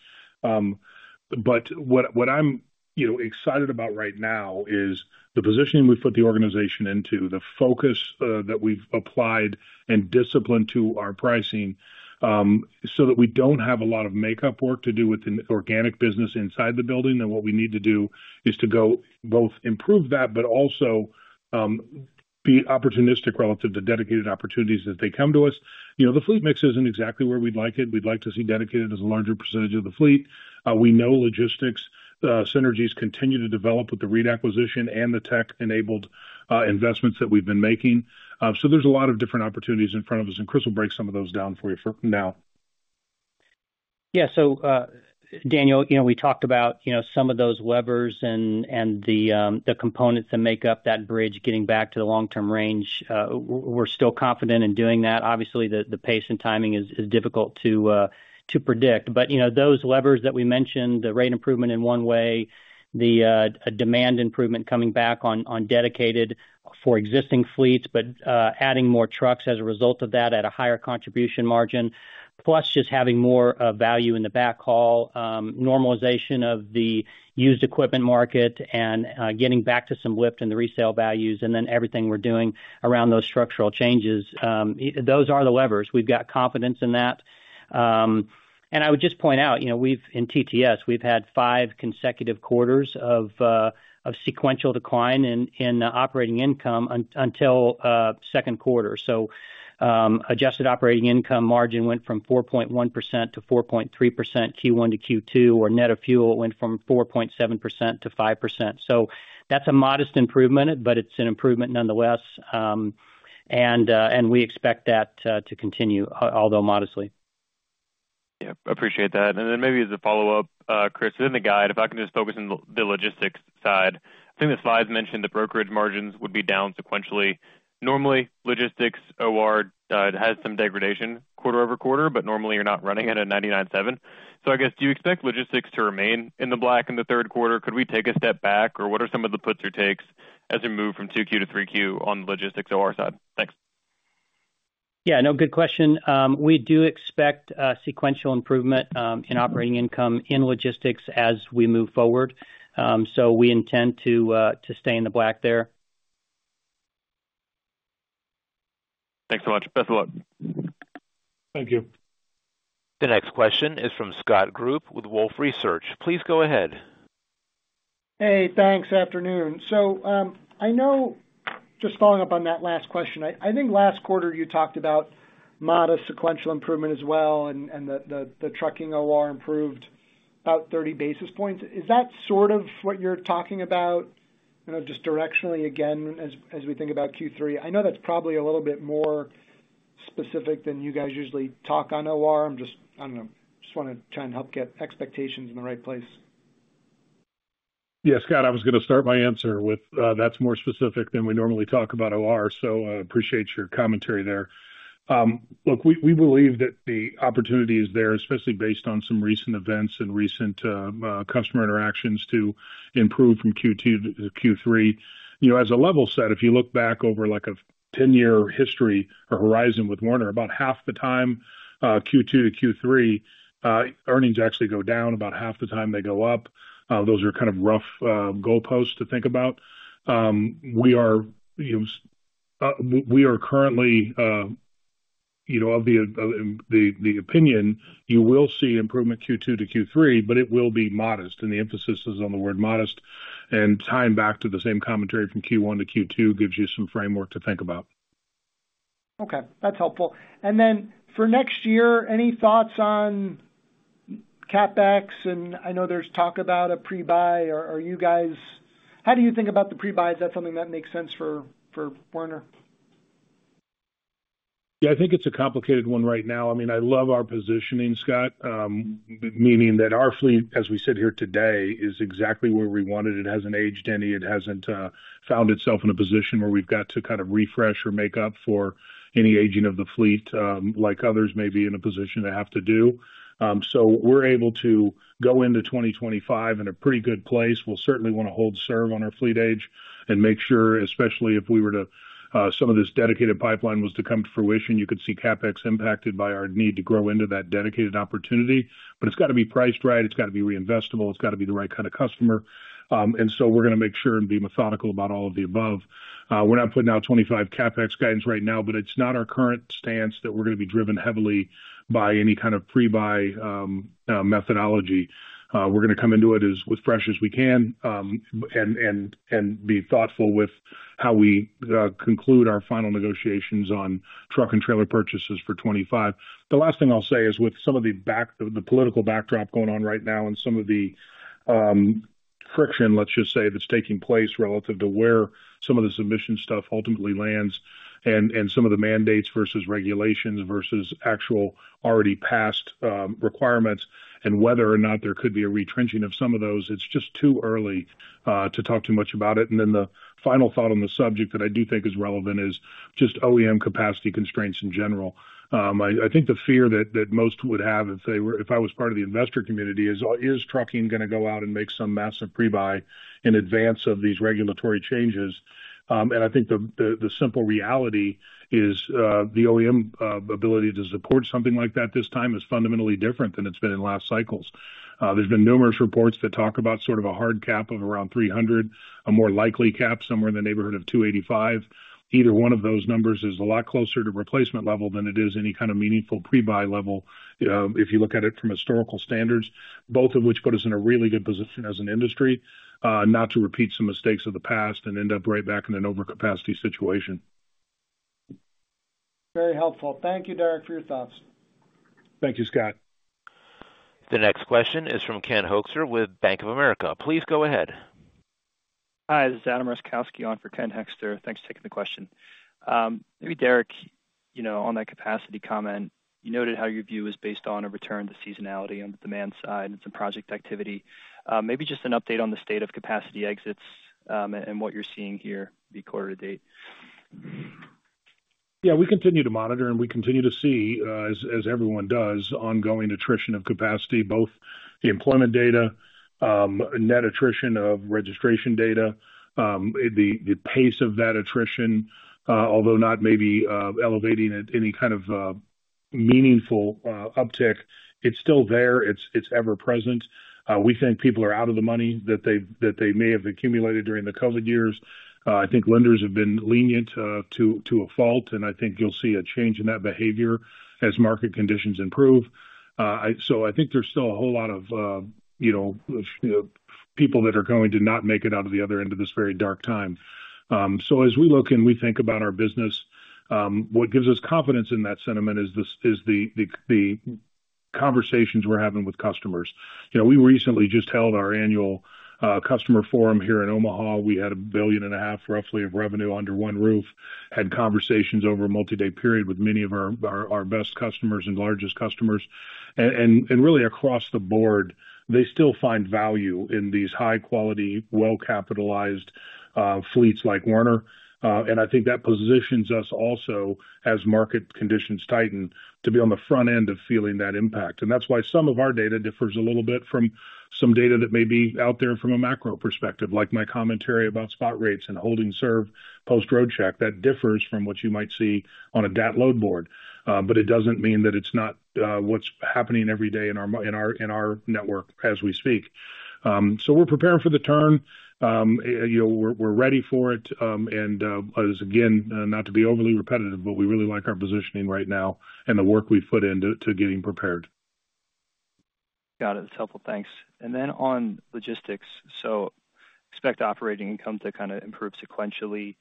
C: But what I'm excited about right now is the positioning we've put the organization into, the focus that we've applied and disciplined to our pricing so that we don't have a lot of makeup work to do with the organic business inside the building. And what we need to do is to go both improve that, but also be opportunistic relative to dedicated opportunities as they come to us. The fleet mix isn't exactly where we'd like it. We'd like to see dedicated as a larger percentage of the fleet. We know logistics synergies continue to develop with the Reed acquisition and the tech-enabled investments that we've been making. So there's a lot of different opportunities in front of us, and Chris will break some of those down for you now.
D: Yeah. So, Daniel, we talked about some of those levers and the components that make up that bridge getting back to the long-term range. We're still confident in doing that. Obviously, the pace and timing is difficult to predict. But those levers that we mentioned, the rate improvement in One-Way, the demand improvement coming back on dedicated for existing fleets, but adding more trucks as a result of that at a higher contribution margin, plus just having more value in the backhaul, normalization of the used equipment market, and getting back to some lift in the resale values, and then everything we're doing around those structural changes, those are the levers. We've got confidence in that. And I would just point out, in TTS, we've had 5 consecutive quarters of sequential decline in operating income until second quarter. So adjusted operating income margin went from 4.1%-4.3% Q1 to Q2, or net of fuel went from 4.7%-5%. So that's a modest improvement, but it's an improvement nonetheless. And we expect that to continue, although modestly.
G: Yeah. Appreciate that. And then maybe as a follow-up, Chris, within the guide, if I can just focus on the logistics side, I think the slides mentioned that brokerage margins would be down sequentially. Normally, logistics OR has some degradation quarter-over-quarter, but normally you're not running at a 99.7%. So I guess, do you expect logistics to remain in the black in the third quarter? Could we take a step back, or what are some of the puts or takes as we move from 2Q to 3Q on the logistics OR side? Thanks.
D: Yeah. No, good question. We do expect sequential improvement in operating income in logistics as we move forward. So we intend to stay in the black there.
G: Thanks so much. Best of luck.
D: Thank you.
A: The next question is from Scott Group with Wolfe Research. Please go ahead.
H: Hey, thanks. Afternoon. So I know just following up on that last question, I think last quarter you talked about modest sequential improvement as well, and the trucking OR improved about 30 basis points. Is that sort of what you're talking about? Just directionally, again, as we think about Q3, I know that's probably a little bit more specific than you guys usually talk on OR. I don't know. Just want to try and help get expectations in the right place.
C: Yeah. Scott, I was going to start my answer with that's more specific than we normally talk about OR. So I appreciate your commentary there. Look, we believe that the opportunity is there, especially based on some recent events and recent customer interactions to improve from Q2 to Q3. As a level set, if you look back over a 10-year history or horizon with Werner, about half the time Q2 to Q3, earnings actually go down. About half the time they go up. Those are kind of rough goalposts to think about. We are currently of the opinion you will see improvement Q2 to Q3, but it will be modest. And the emphasis is on the word modest. And tying back to the same commentary from Q1 to Q2 gives you some framework to think about.
H: Okay. That's helpful. And then for next year, any thoughts on CapEx? And I know there's talk about a pre-buy. How do you think about the pre-buy? Is that something that makes sense for Werner?
C: Yeah, I think it's a complicated one right now. I mean, I love our positioning, Scott, meaning that our fleet, as we sit here today, is exactly where we wanted. It hasn't aged any. It hasn't found itself in a position where we've got to kind of refresh or make up for any aging of the fleet like others may be in a position to have to do. So we're able to go into 2025 in a pretty good place. We'll certainly want to hold serve on our fleet age and make sure, especially if we were to some of this dedicated pipeline was to come to fruition, you could see CapEx impacted by our need to grow into that dedicated opportunity. But it's got to be priced right. It's got to be reinvestable. It's got to be the right kind of customer. We're going to make sure and be methodical about all of the above. We're not putting out 2025 CapEx guidance right now, but it's not our current stance that we're going to be driven heavily by any kind of pre-buy methodology. We're going to come into it as fresh as we can and be thoughtful with how we conclude our final negotiations on truck and trailer purchases for 2025. The last thing I'll say is with some of the political backdrop going on right now and some of the friction, let's just say, that's taking place relative to where some of the submission stuff ultimately lands and some of the mandates versus regulations versus actual already passed requirements and whether or not there could be a retrenching of some of those, it's just too early to talk too much about it. And then the final thought on the subject that I do think is relevant is just OEM capacity constraints in general. I think the fear that most would have if I was part of the investor community is, trucking going to go out and make some massive pre-buy in advance of these regulatory changes? And I think the simple reality is the OEM ability to support something like that this time is fundamentally different than it's been in last cycles. There's been numerous reports that talk about sort of a hard cap of around 300, a more likely cap somewhere in the neighborhood of 285. Either one of those numbers is a lot closer to replacement level than it is any kind of meaningful pre-buy level if you look at it from historical standards, both of which put us in a really good position as an industry not to repeat some mistakes of the past and end up right back in an overcapacity situation.
H: Very helpful. Thank you, Derek, for your thoughts.
C: Thank you, Scott.
A: The next question is from Ken Hoexter with Bank of America. Please go ahead.
I: Hi, this is Adam Roszkowski on for Ken Hoexter. Thanks for taking the question. Maybe, Derek, on that capacity comment, you noted how your view is based on a return to seasonality on the demand side and some project activity. Maybe just an update on the state of capacity exits and what you're seeing year to date.
C: Yeah, we continue to monitor, and we continue to see, as everyone does, ongoing attrition of capacity, both the employment data, net attrition of registration data, the pace of that attrition, although not maybe elevating at any kind of meaningful uptick. It's still there. It's ever-present. We think people are out of the money that they may have accumulated during the COVID years. I think lenders have been lenient to a fault, and I think you'll see a change in that behavior as market conditions improve. So I think there's still a whole lot of people that are going to not make it out of the other end of this very dark time. So as we look and we think about our business, what gives us confidence in that sentiment is the conversations we're having with customers. We recently just held our annual customer forum here in Omaha. We had roughly $1.5 billion of revenue under one roof, had conversations over a multi-day period with many of our best customers and largest customers. And really, across the board, they still find value in these high-quality, well-capitalized fleets like Werner. And I think that positions us also, as market conditions tighten, to be on the front end of feeling that impact. And that's why some of our data differs a little bit from some data that may be out there from a macro perspective, like my commentary about spot rates and holding serve post-Roadcheck. That differs from what you might see on a DAT load board. But it doesn't mean that it's not what's happening every day in our network as we speak. So we're preparing for the turn. We're ready for it. And again, not to be overly repetitive, but we really like our positioning right now and the work we've put into getting prepared.
I: Got it. That's helpful. Thanks. And then on logistics, so expect operating income to kind of improve sequentially.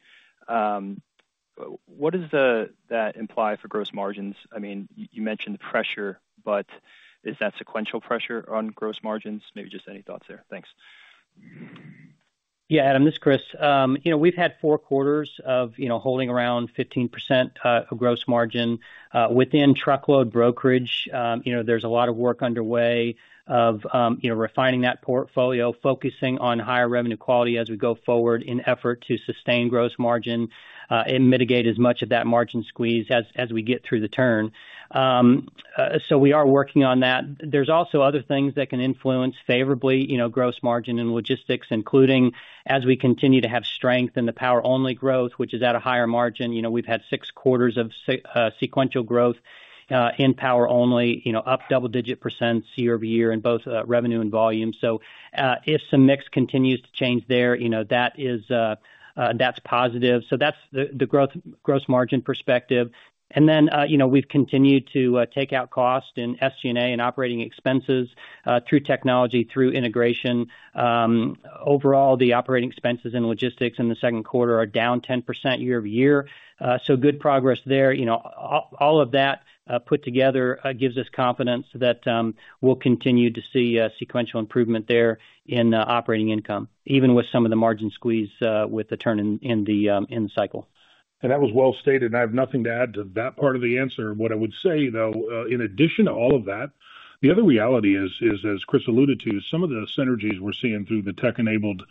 I: What does that imply for gross margins? I mean, you mentioned pressure, but is that sequential pressure on gross margins? Maybe just any thoughts there. Thanks.
D: Yeah, Adam, this is Chris. We've had four quarters of holding around 15% of gross margin. Within truckload brokerage, there's a lot of work underway of refining that portfolio, focusing on higher revenue quality as we go forward in effort to sustain gross margin and mitigate as much of that margin squeeze as we get through the turn. So we are working on that. There's also other things that can influence favorably gross margin and logistics, including as we continue to have strength in the power-only growth, which is at a higher margin. We've had six quarters of sequential growth in power-only, up double-digit % year-over-year in both revenue and volume. So if some mix continues to change there, that's positive. So that's the gross margin perspective. And then we've continued to take out costs in SG&A and operating expenses through technology, through integration. Overall, the operating expenses and logistics in the second quarter are down 10% year-over-year. So good progress there. All of that put together gives us confidence that we'll continue to see sequential improvement there in operating income, even with some of the margin squeeze with the turn in the cycle.
C: And that was well stated. I have nothing to add to that part of the answer. What I would say, though, in addition to all of that, the other reality is, as Chris alluded to, some of the synergies we're seeing through the tech-enabled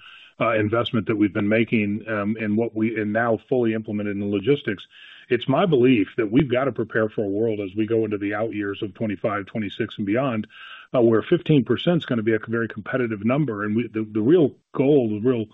C: investment that we've been making and now fully implemented in logistics, it's my belief that we've got to prepare for a world as we go into the out years of 2025, 2026, and beyond, where 15% is going to be a very competitive number. The real goal, the real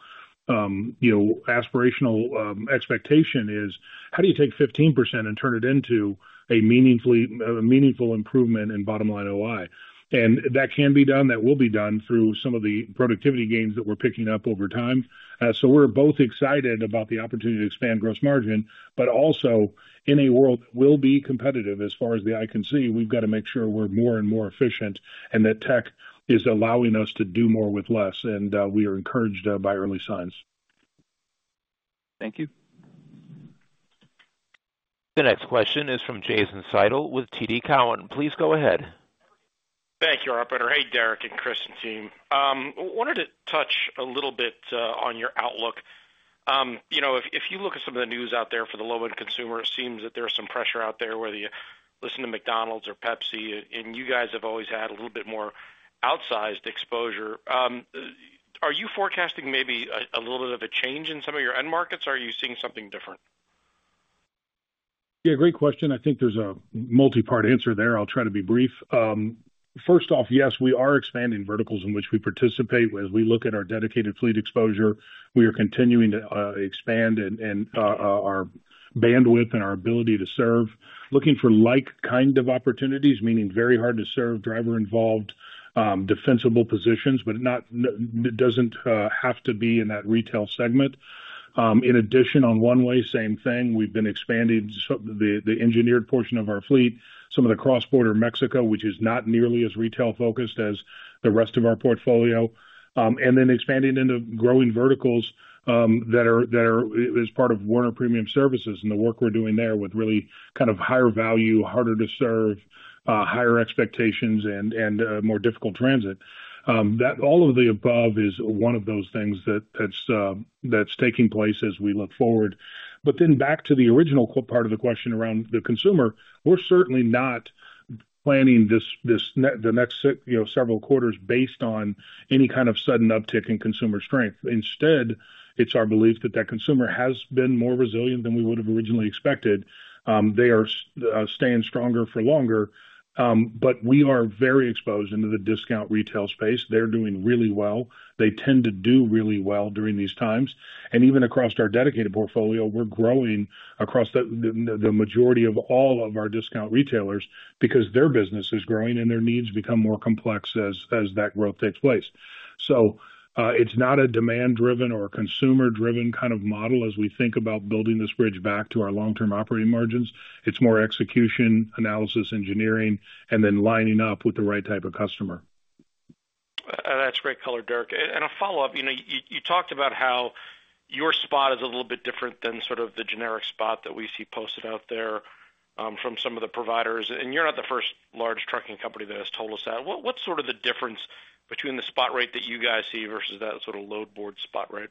C: aspirational expectation is, how do you take 15% and turn it into a meaningful improvement in bottom line OI? That can be done. That will be done through some of the productivity gains that we're picking up over time. So we're both excited about the opportunity to expand gross margin, but also in a world that will be competitive as far as the eye can see, we've got to make sure we're more and more efficient and that tech is allowing us to do more with less. And we are encouraged by early signs.
I: Thank you.
A: The next question is from Jason Seidl with TD Cowen. Please go ahead.
J: Thank you, operator. Hey, Derek and Chris and team. I wanted to touch a little bit on your outlook. If you look at some of the news out there for the low-end consumer, it seems that there's some pressure out there whether you listen to McDonald's or Pepsi, and you guys have always had a little bit more outsized exposure. Are you forecasting maybe a little bit of a change in some of your end markets? Are you seeing something different?
C: Yeah, great question. I think there's a multi-part answer there. I'll try to be brief. First off, yes, we are expanding verticals in which we participate. As we look at our dedicated fleet exposure, we are continuing to expand our bandwidth and our ability to serve. Looking for like kind of opportunities, meaning very hard-to-serve, driver-involved, defensible positions, but it doesn't have to be in that retail segment. In addition, on One-Way, same thing, we've been expanding the engineered portion of our fleet, some of the cross-border Mexico, which is not nearly as retail-focused as the rest of our portfolio, and then expanding into growing verticals that are as part of Werner Premium Services and the work we're doing there with really kind of higher value, harder to serve, higher expectations, and more difficult transit. All of the above is one of those things that's taking place as we look forward. But then back to the original part of the question around the consumer, we're certainly not planning the next several quarters based on any kind of sudden uptick in consumer strength. Instead, it's our belief that that consumer has been more resilient than we would have originally expected. They are staying stronger for longer, but we are very exposed into the discount retail space. They're doing really well. They tend to do really well during these times. And even across our dedicated portfolio, we're growing across the majority of all of our discount retailers because their business is growing and their needs become more complex as that growth takes place. So it's not a demand-driven or consumer-driven kind of model as we think about building this bridge back to our long-term operating margins. It's more execution, analysis, engineering, and then lining up with the right type of customer.
J: That's a great color, Derek. And a follow-up. You talked about how your spot is a little bit different than sort of the generic spot that we see posted out there from some of the providers. And you're not the first large trucking company that has told us that. What's sort of the difference between the spot rate that you guys see versus that sort of load board spot rate?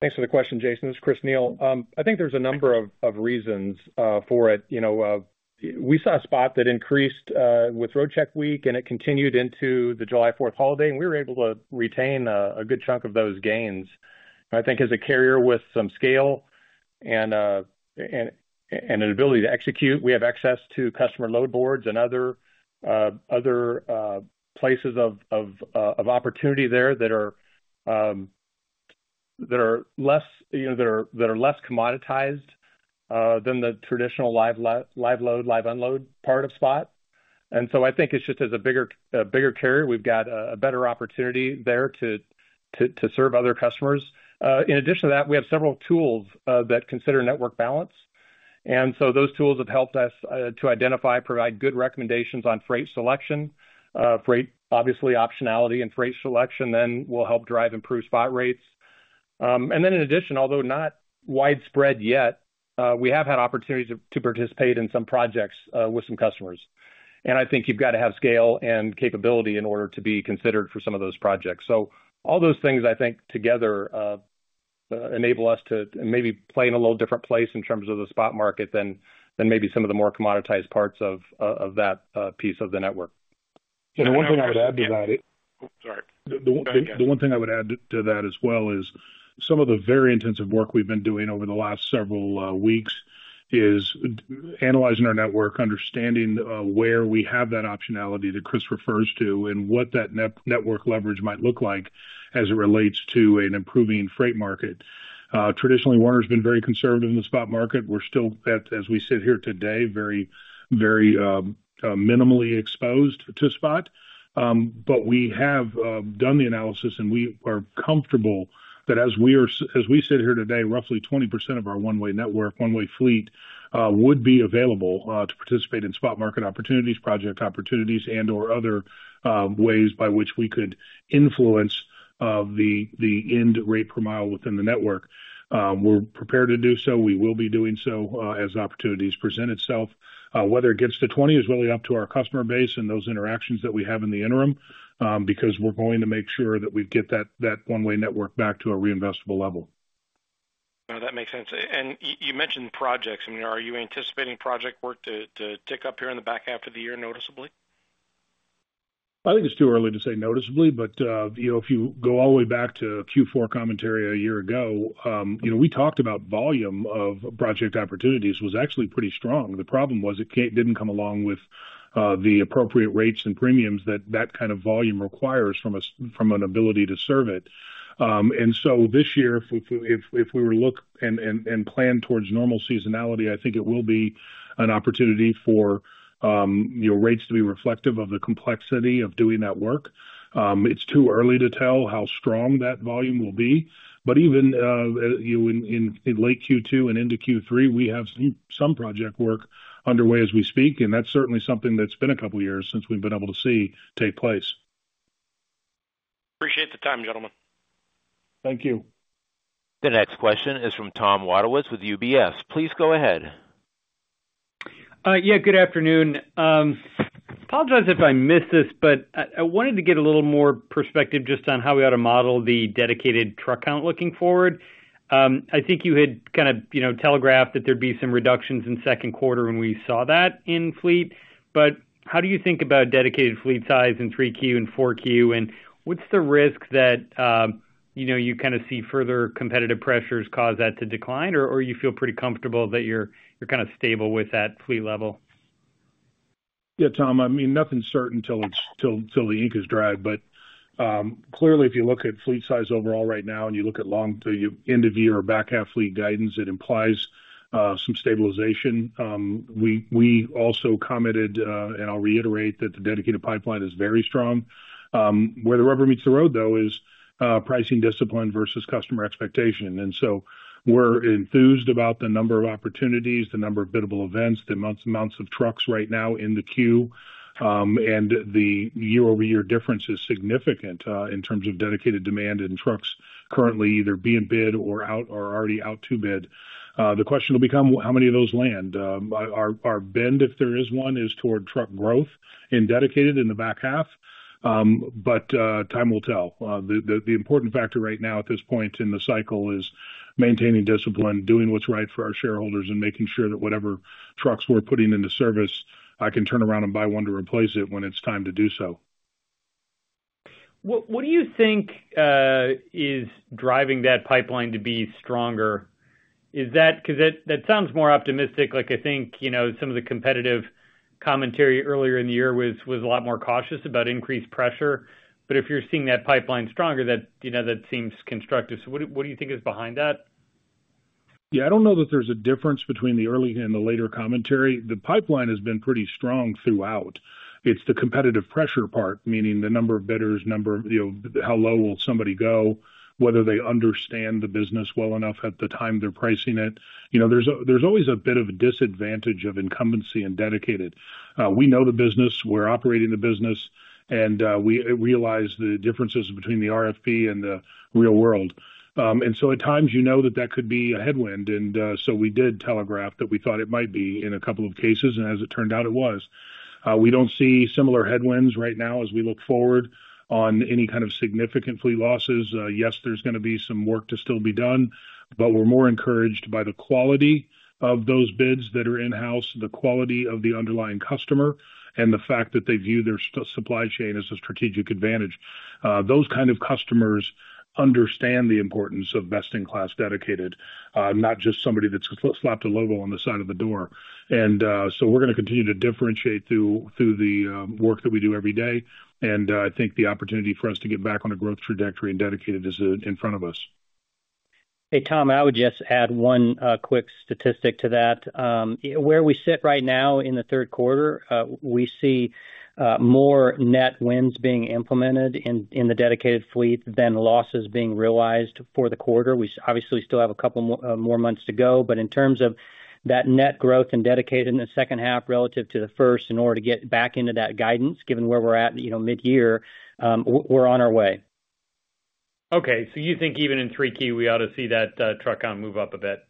B: Thanks for the question, Jason. This is Chris Neil. I think there's a number of reasons for it. We saw a spot that increased with Roadcheck week, and it continued into the July 4th holiday, and we were able to retain a good chunk of those gains. I think as a carrier with some scale and an ability to execute, we have access to customer load boards and other places of opportunity there that are less commoditized than the traditional live load, live unload part of spot. I think it's just as a bigger carrier, we've got a better opportunity there to serve other customers. In addition to that, we have several tools that consider network balance. Those tools have helped us to identify, provide good recommendations on freight selection. Freight, obviously, optionality and freight selection then will help drive improved spot rates. In addition, although not widespread yet, we have had opportunities to participate in some projects with some customers. I think you've got to have scale and capability in order to be considered for some of those projects. So all those things, I think, together enable us to maybe play in a little different place in terms of the spot market than maybe some of the more commoditized parts of that piece of the network.
C: And one thing I would add to that. Sorry. The one thing I would add to that as well is some of the very intensive work we've been doing over the last several weeks is analyzing our network, understanding where we have that optionality that Chris refers to, and what that network leverage might look like as it relates to an improving freight market. Traditionally, Werner has been very conservative in the spot market. We're still, as we sit here today, very minimally exposed to spot. But we have done the analysis, and we are comfortable that as we sit here today, roughly 20% of our One-Way network, One-Way fleet would be available to participate in spot market opportunities, project opportunities, and/or other ways by which we could influence the end rate per mile within the network. We're prepared to do so. We will be doing so as opportunities present itself. Whether it gets to 20 is really up to our customer base and those interactions that we have in the interim because we're going to make sure that we get that One-Way network back to a reinvestable level.
J: That makes sense. And you mentioned projects. I mean, are you anticipating project work to tick up here in the back after the year noticeably?
C: I think it's too early to say noticeably, but if you go all the way back to Q4 commentary a year ago, we talked about volume of project opportunities was actually pretty strong. The problem was it didn't come along with the appropriate rates and premiums that that kind of volume requires from an ability to serve it. So this year, if we were to look and plan towards normal seasonality, I think it will be an opportunity for rates to be reflective of the complexity of doing that work. It's too early to tell how strong that volume will be. But even in late Q2 and into Q3, we have some project work underway as we speak. And that's certainly something that's been a couple of years since we've been able to see take place.
J: Appreciate the time, gentlemen.
C: Thank you.
A: The next question is from Tom Wadewitz with UBS. Please go ahead.
K: Yeah, good afternoon. Apologize if I missed this, but I wanted to get a little more perspective just on how we ought to model the dedicated truck count looking forward. I think you had kind of telegraphed that there'd be some reductions in second quarter when we saw that in fleet. But how do you think about dedicated fleet size in 3Q and 4Q? And what's the risk that you kind of see further competitive pressures cause that to decline, or you feel pretty comfortable that you're kind of stable with that fleet level?
C: Yeah, Tom, I mean, nothing's certain until the ink is dry. But clearly, if you look at fleet size overall right now and you look at long-term end-of-year or back-half fleet guidance, it implies some stabilization. We also commented, and I'll reiterate that the dedicated pipeline is very strong. Where the rubber meets the road, though, is pricing discipline versus customer expectation. And so we're enthused about the number of opportunities, the number of biddable events, the amounts of trucks right now in the queue. And the year-over-year difference is significant in terms of dedicated demand and trucks currently either be in bid or already out to bid. The question will become how many of those land. Our bend, if there is one, is toward truck growth in dedicated in the back half. But time will tell. The important factor right now at this point in the cycle is maintaining discipline, doing what's right for our shareholders, and making sure that whatever trucks we're putting into service, I can turn around and buy one to replace it when it's time to do so.
K: What do you think is driving that pipeline to be stronger? Because that sounds more optimistic. I think some of the competitive commentary earlier in the year was a lot more cautious about increased pressure. But if you're seeing that pipeline stronger, that seems constructive. So what do you think is behind that?
C: Yeah, I don't know that there's a difference between the early and the later commentary. The pipeline has been pretty strong throughout. It's the competitive pressure part, meaning the number of bidders, how low will somebody go, whether they understand the business well enough at the time they're pricing it. There's always a bit of a disadvantage of incumbency and dedicated. We know the business. We're operating the business. And we realize the differences between the RFP and the real world. And so at times, you know that that could be a headwind. And so we did telegraph that we thought it might be in a couple of cases. And as it turned out, it was. We don't see similar headwinds right now as we look forward on any kind of significant fleet losses. Yes, there's going to be some work to still be done. But we're more encouraged by the quality of those bids that are in-house, the quality of the underlying customer, and the fact that they view their supply chain as a strategic advantage. Those kind of customers understand the importance of best-in-class dedicated, not just somebody that's slapped a logo on the side of the door. And so we're going to continue to differentiate through the work that we do every day. And I think the opportunity for us to get back on a growth trajectory and dedicated is in front of us.
D: Hey, Tom, I would just add one quick statistic to that. Where we sit right now in the third quarter, we see more net wins being implemented in the dedicated fleet than losses being realized for the quarter. Obviously, we still have a couple more months to go. But in terms of that net growth and dedicated in the second half relative to the first, in order to get back into that guidance, given where we're at mid-year, we're on our way.
K: Okay. So you think even in 3Q, we ought to see that truck count move up a bit?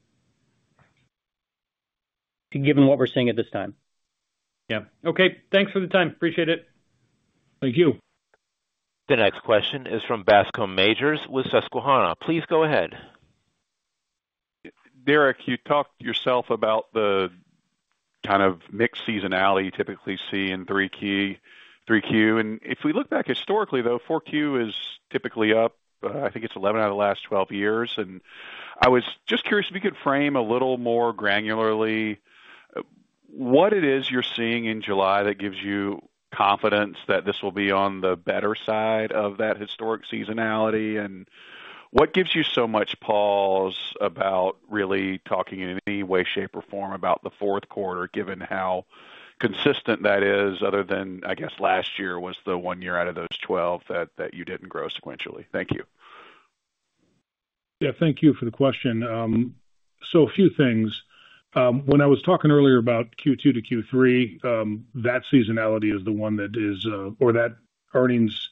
D: Given what we're seeing at this time.
K: Yeah. Okay. Thanks for the time. Appreciate it.
C: Thank you.
A: The next question is from Bascome Majors with Susquehanna. Please go ahead.
L: Derek, you talked yourself about the kind of mixed seasonality you typically see in 3Q. If we look back historically, though, 4Q is typically up. I think it's 11 out of the last 12 years. I was just curious if you could frame a little more granularly what it is you're seeing in July that gives you confidence that this will be on the better side of that historic seasonality. What gives you so much pause about really talking in any way, shape, or form about the fourth quarter, given how consistent that is, other than, I guess, last year was the one year out of those 12 that you didn't grow sequentially? Thank you.
C: Yeah, thank you for the question. So a few things. When I was talking earlier about Q2 to Q3, that seasonality is the one that is, or that earnings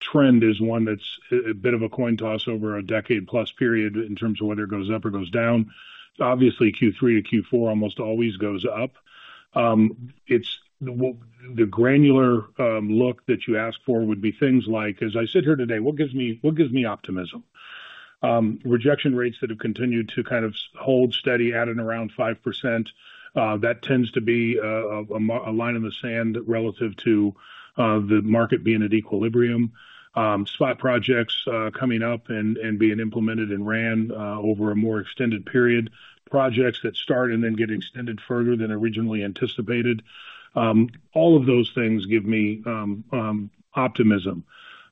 C: trend is one that's a bit of a coin toss over a decade-plus period in terms of whether it goes up or goes down. Obviously, Q3 to Q4 almost always goes up. The granular look that you ask for would be things like, as I sit here today, what gives me optimism? Rejection rates that have continued to kind of hold steady at and around 5%. That tends to be a line in the sand relative to the market being at equilibrium. Spot projects coming up and being implemented and ran over a more extended period. Projects that start and then get extended further than originally anticipated. All of those things give me optimism.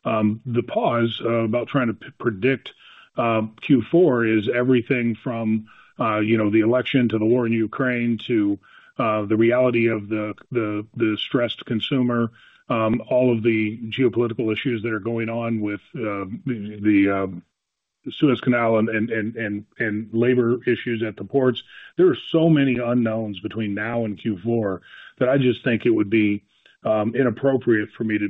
C: The pause about trying to predict Q4 is everything from the election to the war in Ukraine to the reality of the stressed consumer, all of the geopolitical issues that are going on with the Suez Canal and labor issues at the ports. There are so many unknowns between now and Q4 that I just think it would be inappropriate for me to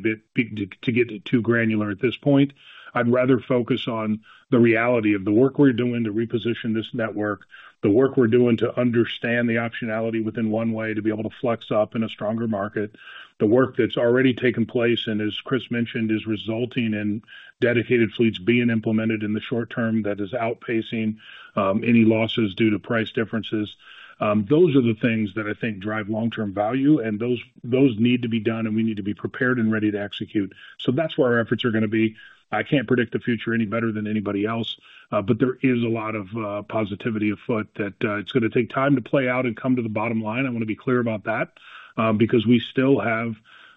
C: get too granular at this point. I'd rather focus on the reality of the work we're doing to reposition this network, the work we're doing to understand the optionality within One-Way to be able to flex up in a stronger market, the work that's already taken place and, as Chris mentioned, is resulting in dedicated fleets being implemented in the short term that is outpacing any losses due to price differences. Those are the things that I think drive long-term value. Those need to be done, and we need to be prepared and ready to execute. So that's where our efforts are going to be. I can't predict the future any better than anybody else. But there is a lot of positivity afoot that it's going to take time to play out and come to the bottom line. I want to be clear about that because we still have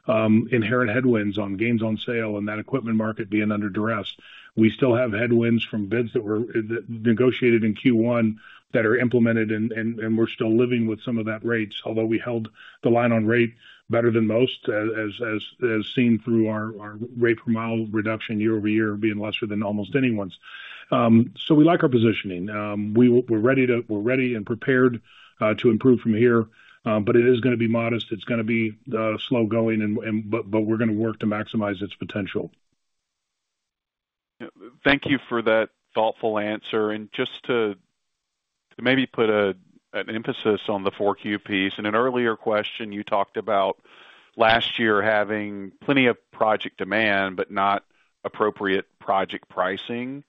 C: inherent headwinds on gains on sale and that equipment market being under duress. We still have headwinds from bids that were negotiated in Q1 that are implemented, and we're still living with some of that rates, although we held the line on rate better than most, as seen through our rate per mile reduction year-over-year being lesser than almost anyone's. So we like our positioning. We're ready and prepared to improve from here. But it is going to be modest. It's going to be slow going, but we're going to work to maximize its potential.
L: Thank you for that thoughtful answer. And just to maybe put an emphasis on the 4Q piece, in an earlier question, you talked about last year having plenty of project demand, but not appropriate project pricing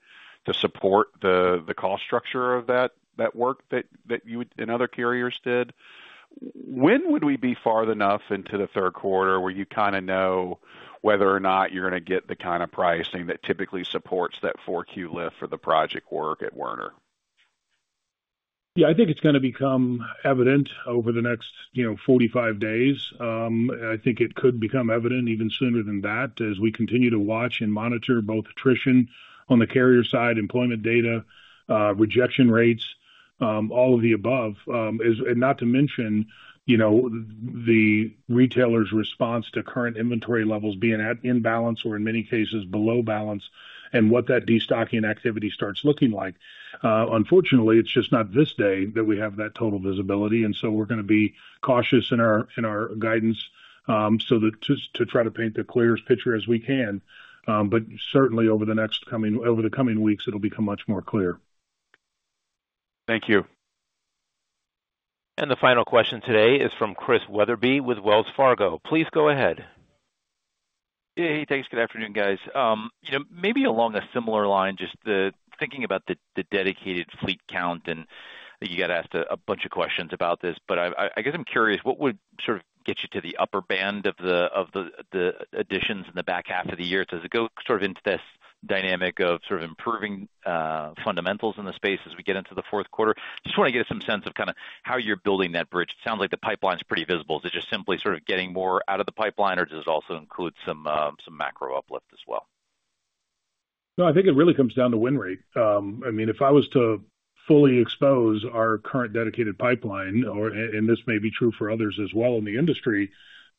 L: to support the cost structure of that work that you and other carriers did. When would we be far enough into the third quarter where you kind of know whether or not you're going to get the kind of pricing that typically supports that 4Q lift for the project work at Werner?
C: Yeah, I think it's going to become evident over the next 45 days. I think it could become evident even sooner than that as we continue to watch and monitor both attrition on the carrier side, employment data, rejection rates, all of the above, and not to mention the retailer's response to current inventory levels being at imbalance or, in many cases, below balance and what that destocking activity starts looking like. Unfortunately, it's just not this day that we have that total visibility. And so we're going to be cautious in our guidance to try to paint the clearest picture as we can. But certainly, over the coming weeks, it'll become much more clear.
L: Thank you.
A: And the final question today is from Chris Wetherbee with Wells Fargo. Please go ahead.
M: Hey, thanks. Good afternoon, guys. Maybe along a similar line, just thinking about the dedicated fleet count, and you got asked a bunch of questions about this. But I guess I'm curious, what would sort of get you to the upper band of the additions in the back half of the year? Does it go sort of into this dynamic of sort of improving fundamentals in the space as we get into the fourth quarter? Just want to get some sense of kind of how you're building that bridge. It sounds like the pipeline is pretty visible. Is it just simply sort of getting more out of the pipeline, or does it also include some macro uplift as well?
C: No, I think it really comes down to win rate. I mean, if I was to fully expose our current dedicated pipeline, and this may be true for others as well in the industry,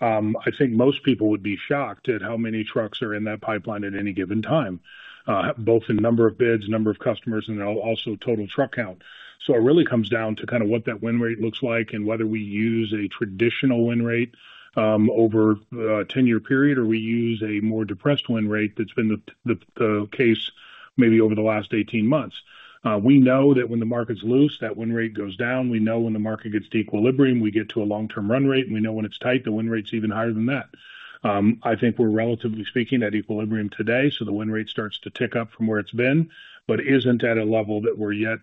C: I think most people would be shocked at how many trucks are in that pipeline at any given time, both in number of bids, number of customers, and also total truck count. So it really comes down to kind of what that win rate looks like and whether we use a traditional win rate over a 10-year period or we use a more depressed win rate that's been the case maybe over the last 18 months. We know that when the market's loose, that win rate goes down. We know when the market gets to equilibrium, we get to a long-term run rate. And we know when it's tight, the win rate's even higher than that. I think we're relatively speaking at equilibrium today. So the win rate starts to tick up from where it's been, but isn't at a level that we're yet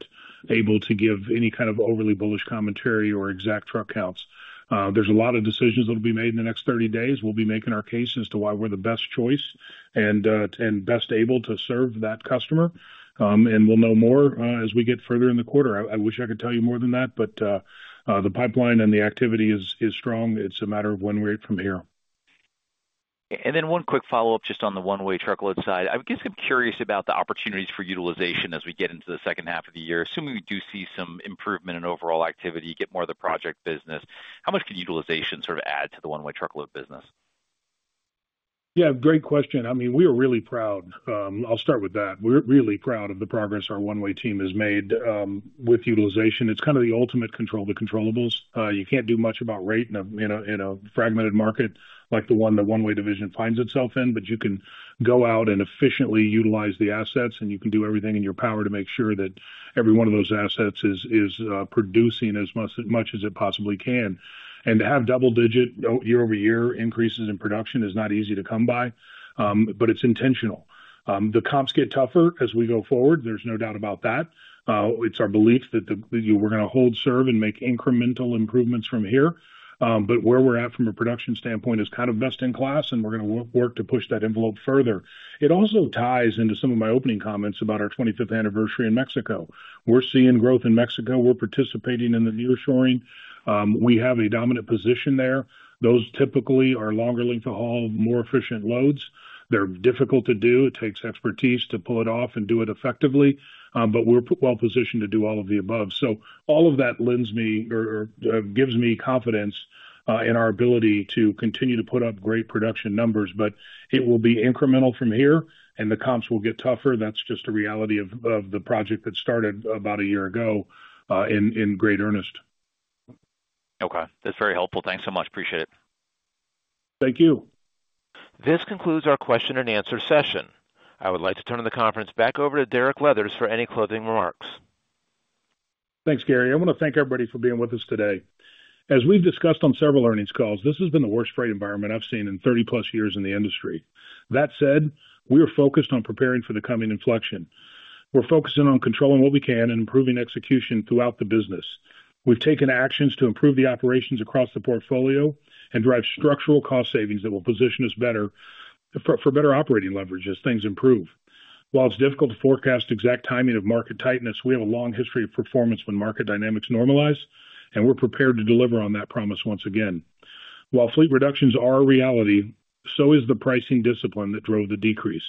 C: able to give any kind of overly bullish commentary or exact truck counts. There's a lot of decisions that will be made in the next 30 days. We'll be making our case as to why we're the best choice and best able to serve that customer. And we'll know more as we get further in the quarter. I wish I could tell you more than that, but the pipeline and the activity is strong. It's a matter of One-Way from here.
M: And then one quick follow-up just on the One-Way truckload side. I guess I'm curious about the opportunities for utilization as we get into the second half of the year? Assuming we do see some improvement in overall activity, get more of the project business, how much can utilization sort of add to the One-Way truckload business?
C: Yeah, great question. I mean, we are really proud. I'll start with that. We're really proud of the progress our One-Way team has made with utilization. It's kind of the ultimate control of the controllables. You can't do much about rate in a fragmented market like the one the One-Way division finds itself in, but you can go out and efficiently utilize the assets, and you can do everything in your power to make sure that every one of those assets is producing as much as it possibly can. And to have double-digit year-over-year increases in production is not easy to come by, but it's intentional. The comps get tougher as we go forward. There's no doubt about that. It's our belief that we're going to hold, serve, and make incremental improvements from here. But where we're at from a production standpoint is kind of best in class, and we're going to work to push that envelope further. It also ties into some of my opening comments about our 25th anniversary in Mexico. We're seeing growth in Mexico. We're participating in the nearshoring. We have a dominant position there. Those typically are longer length of haul, more efficient loads. They're difficult to do. It takes expertise to pull it off and do it effectively. But we're well-positioned to do all of the above. So all of that lends me or gives me confidence in our ability to continue to put up great production numbers. But it will be incremental from here, and the comps will get tougher. That's just a reality of the project that started about a year ago in great earnest.
M: Okay. That's very helpful. Thanks so much. Appreciate it.
C: Thank you.
A: This concludes our question and answer session. I would like to turn the conference back over to Derek Leathers for any closing remarks.
C: Thanks, Gary. I want to thank everybody for being with us today. As we've discussed on several earnings calls, this has been the worst freight environment I've seen in 30+ years in the industry. That said, we are focused on preparing for the coming inflection. We're focusing on controlling what we can and improving execution throughout the business. We've taken actions to improve the operations across the portfolio and drive structural cost savings that will position us better for better operating leverage as things improve. While it's difficult to forecast exact timing of market tightness, we have a long history of performance when market dynamics normalize, and we're prepared to deliver on that promise once again. While fleet reductions are a reality, so is the pricing discipline that drove the decrease.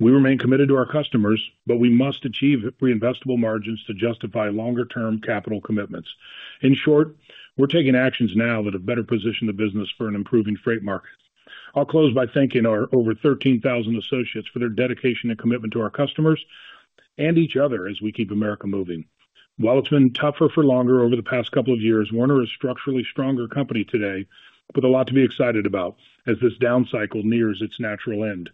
C: We remain committed to our customers, but we must achieve reinvestable margins to justify longer-term capital commitments. In short, we're taking actions now that have better positioned the business for an improving freight market. I'll close by thanking our over 13,000 associates for their dedication and commitment to our customers and each other as we keep America moving. While it's been tougher for longer over the past couple of years, Werner is a structurally stronger company today, with a lot to be excited about as this down cycle nears its natural end.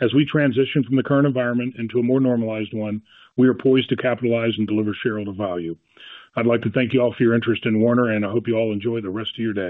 C: As we transition from the current environment into a more normalized one, we are poised to capitalize and deliver shareholder value. I'd like to thank you all for your interest in Werner, and I hope you all enjoy the rest of your day.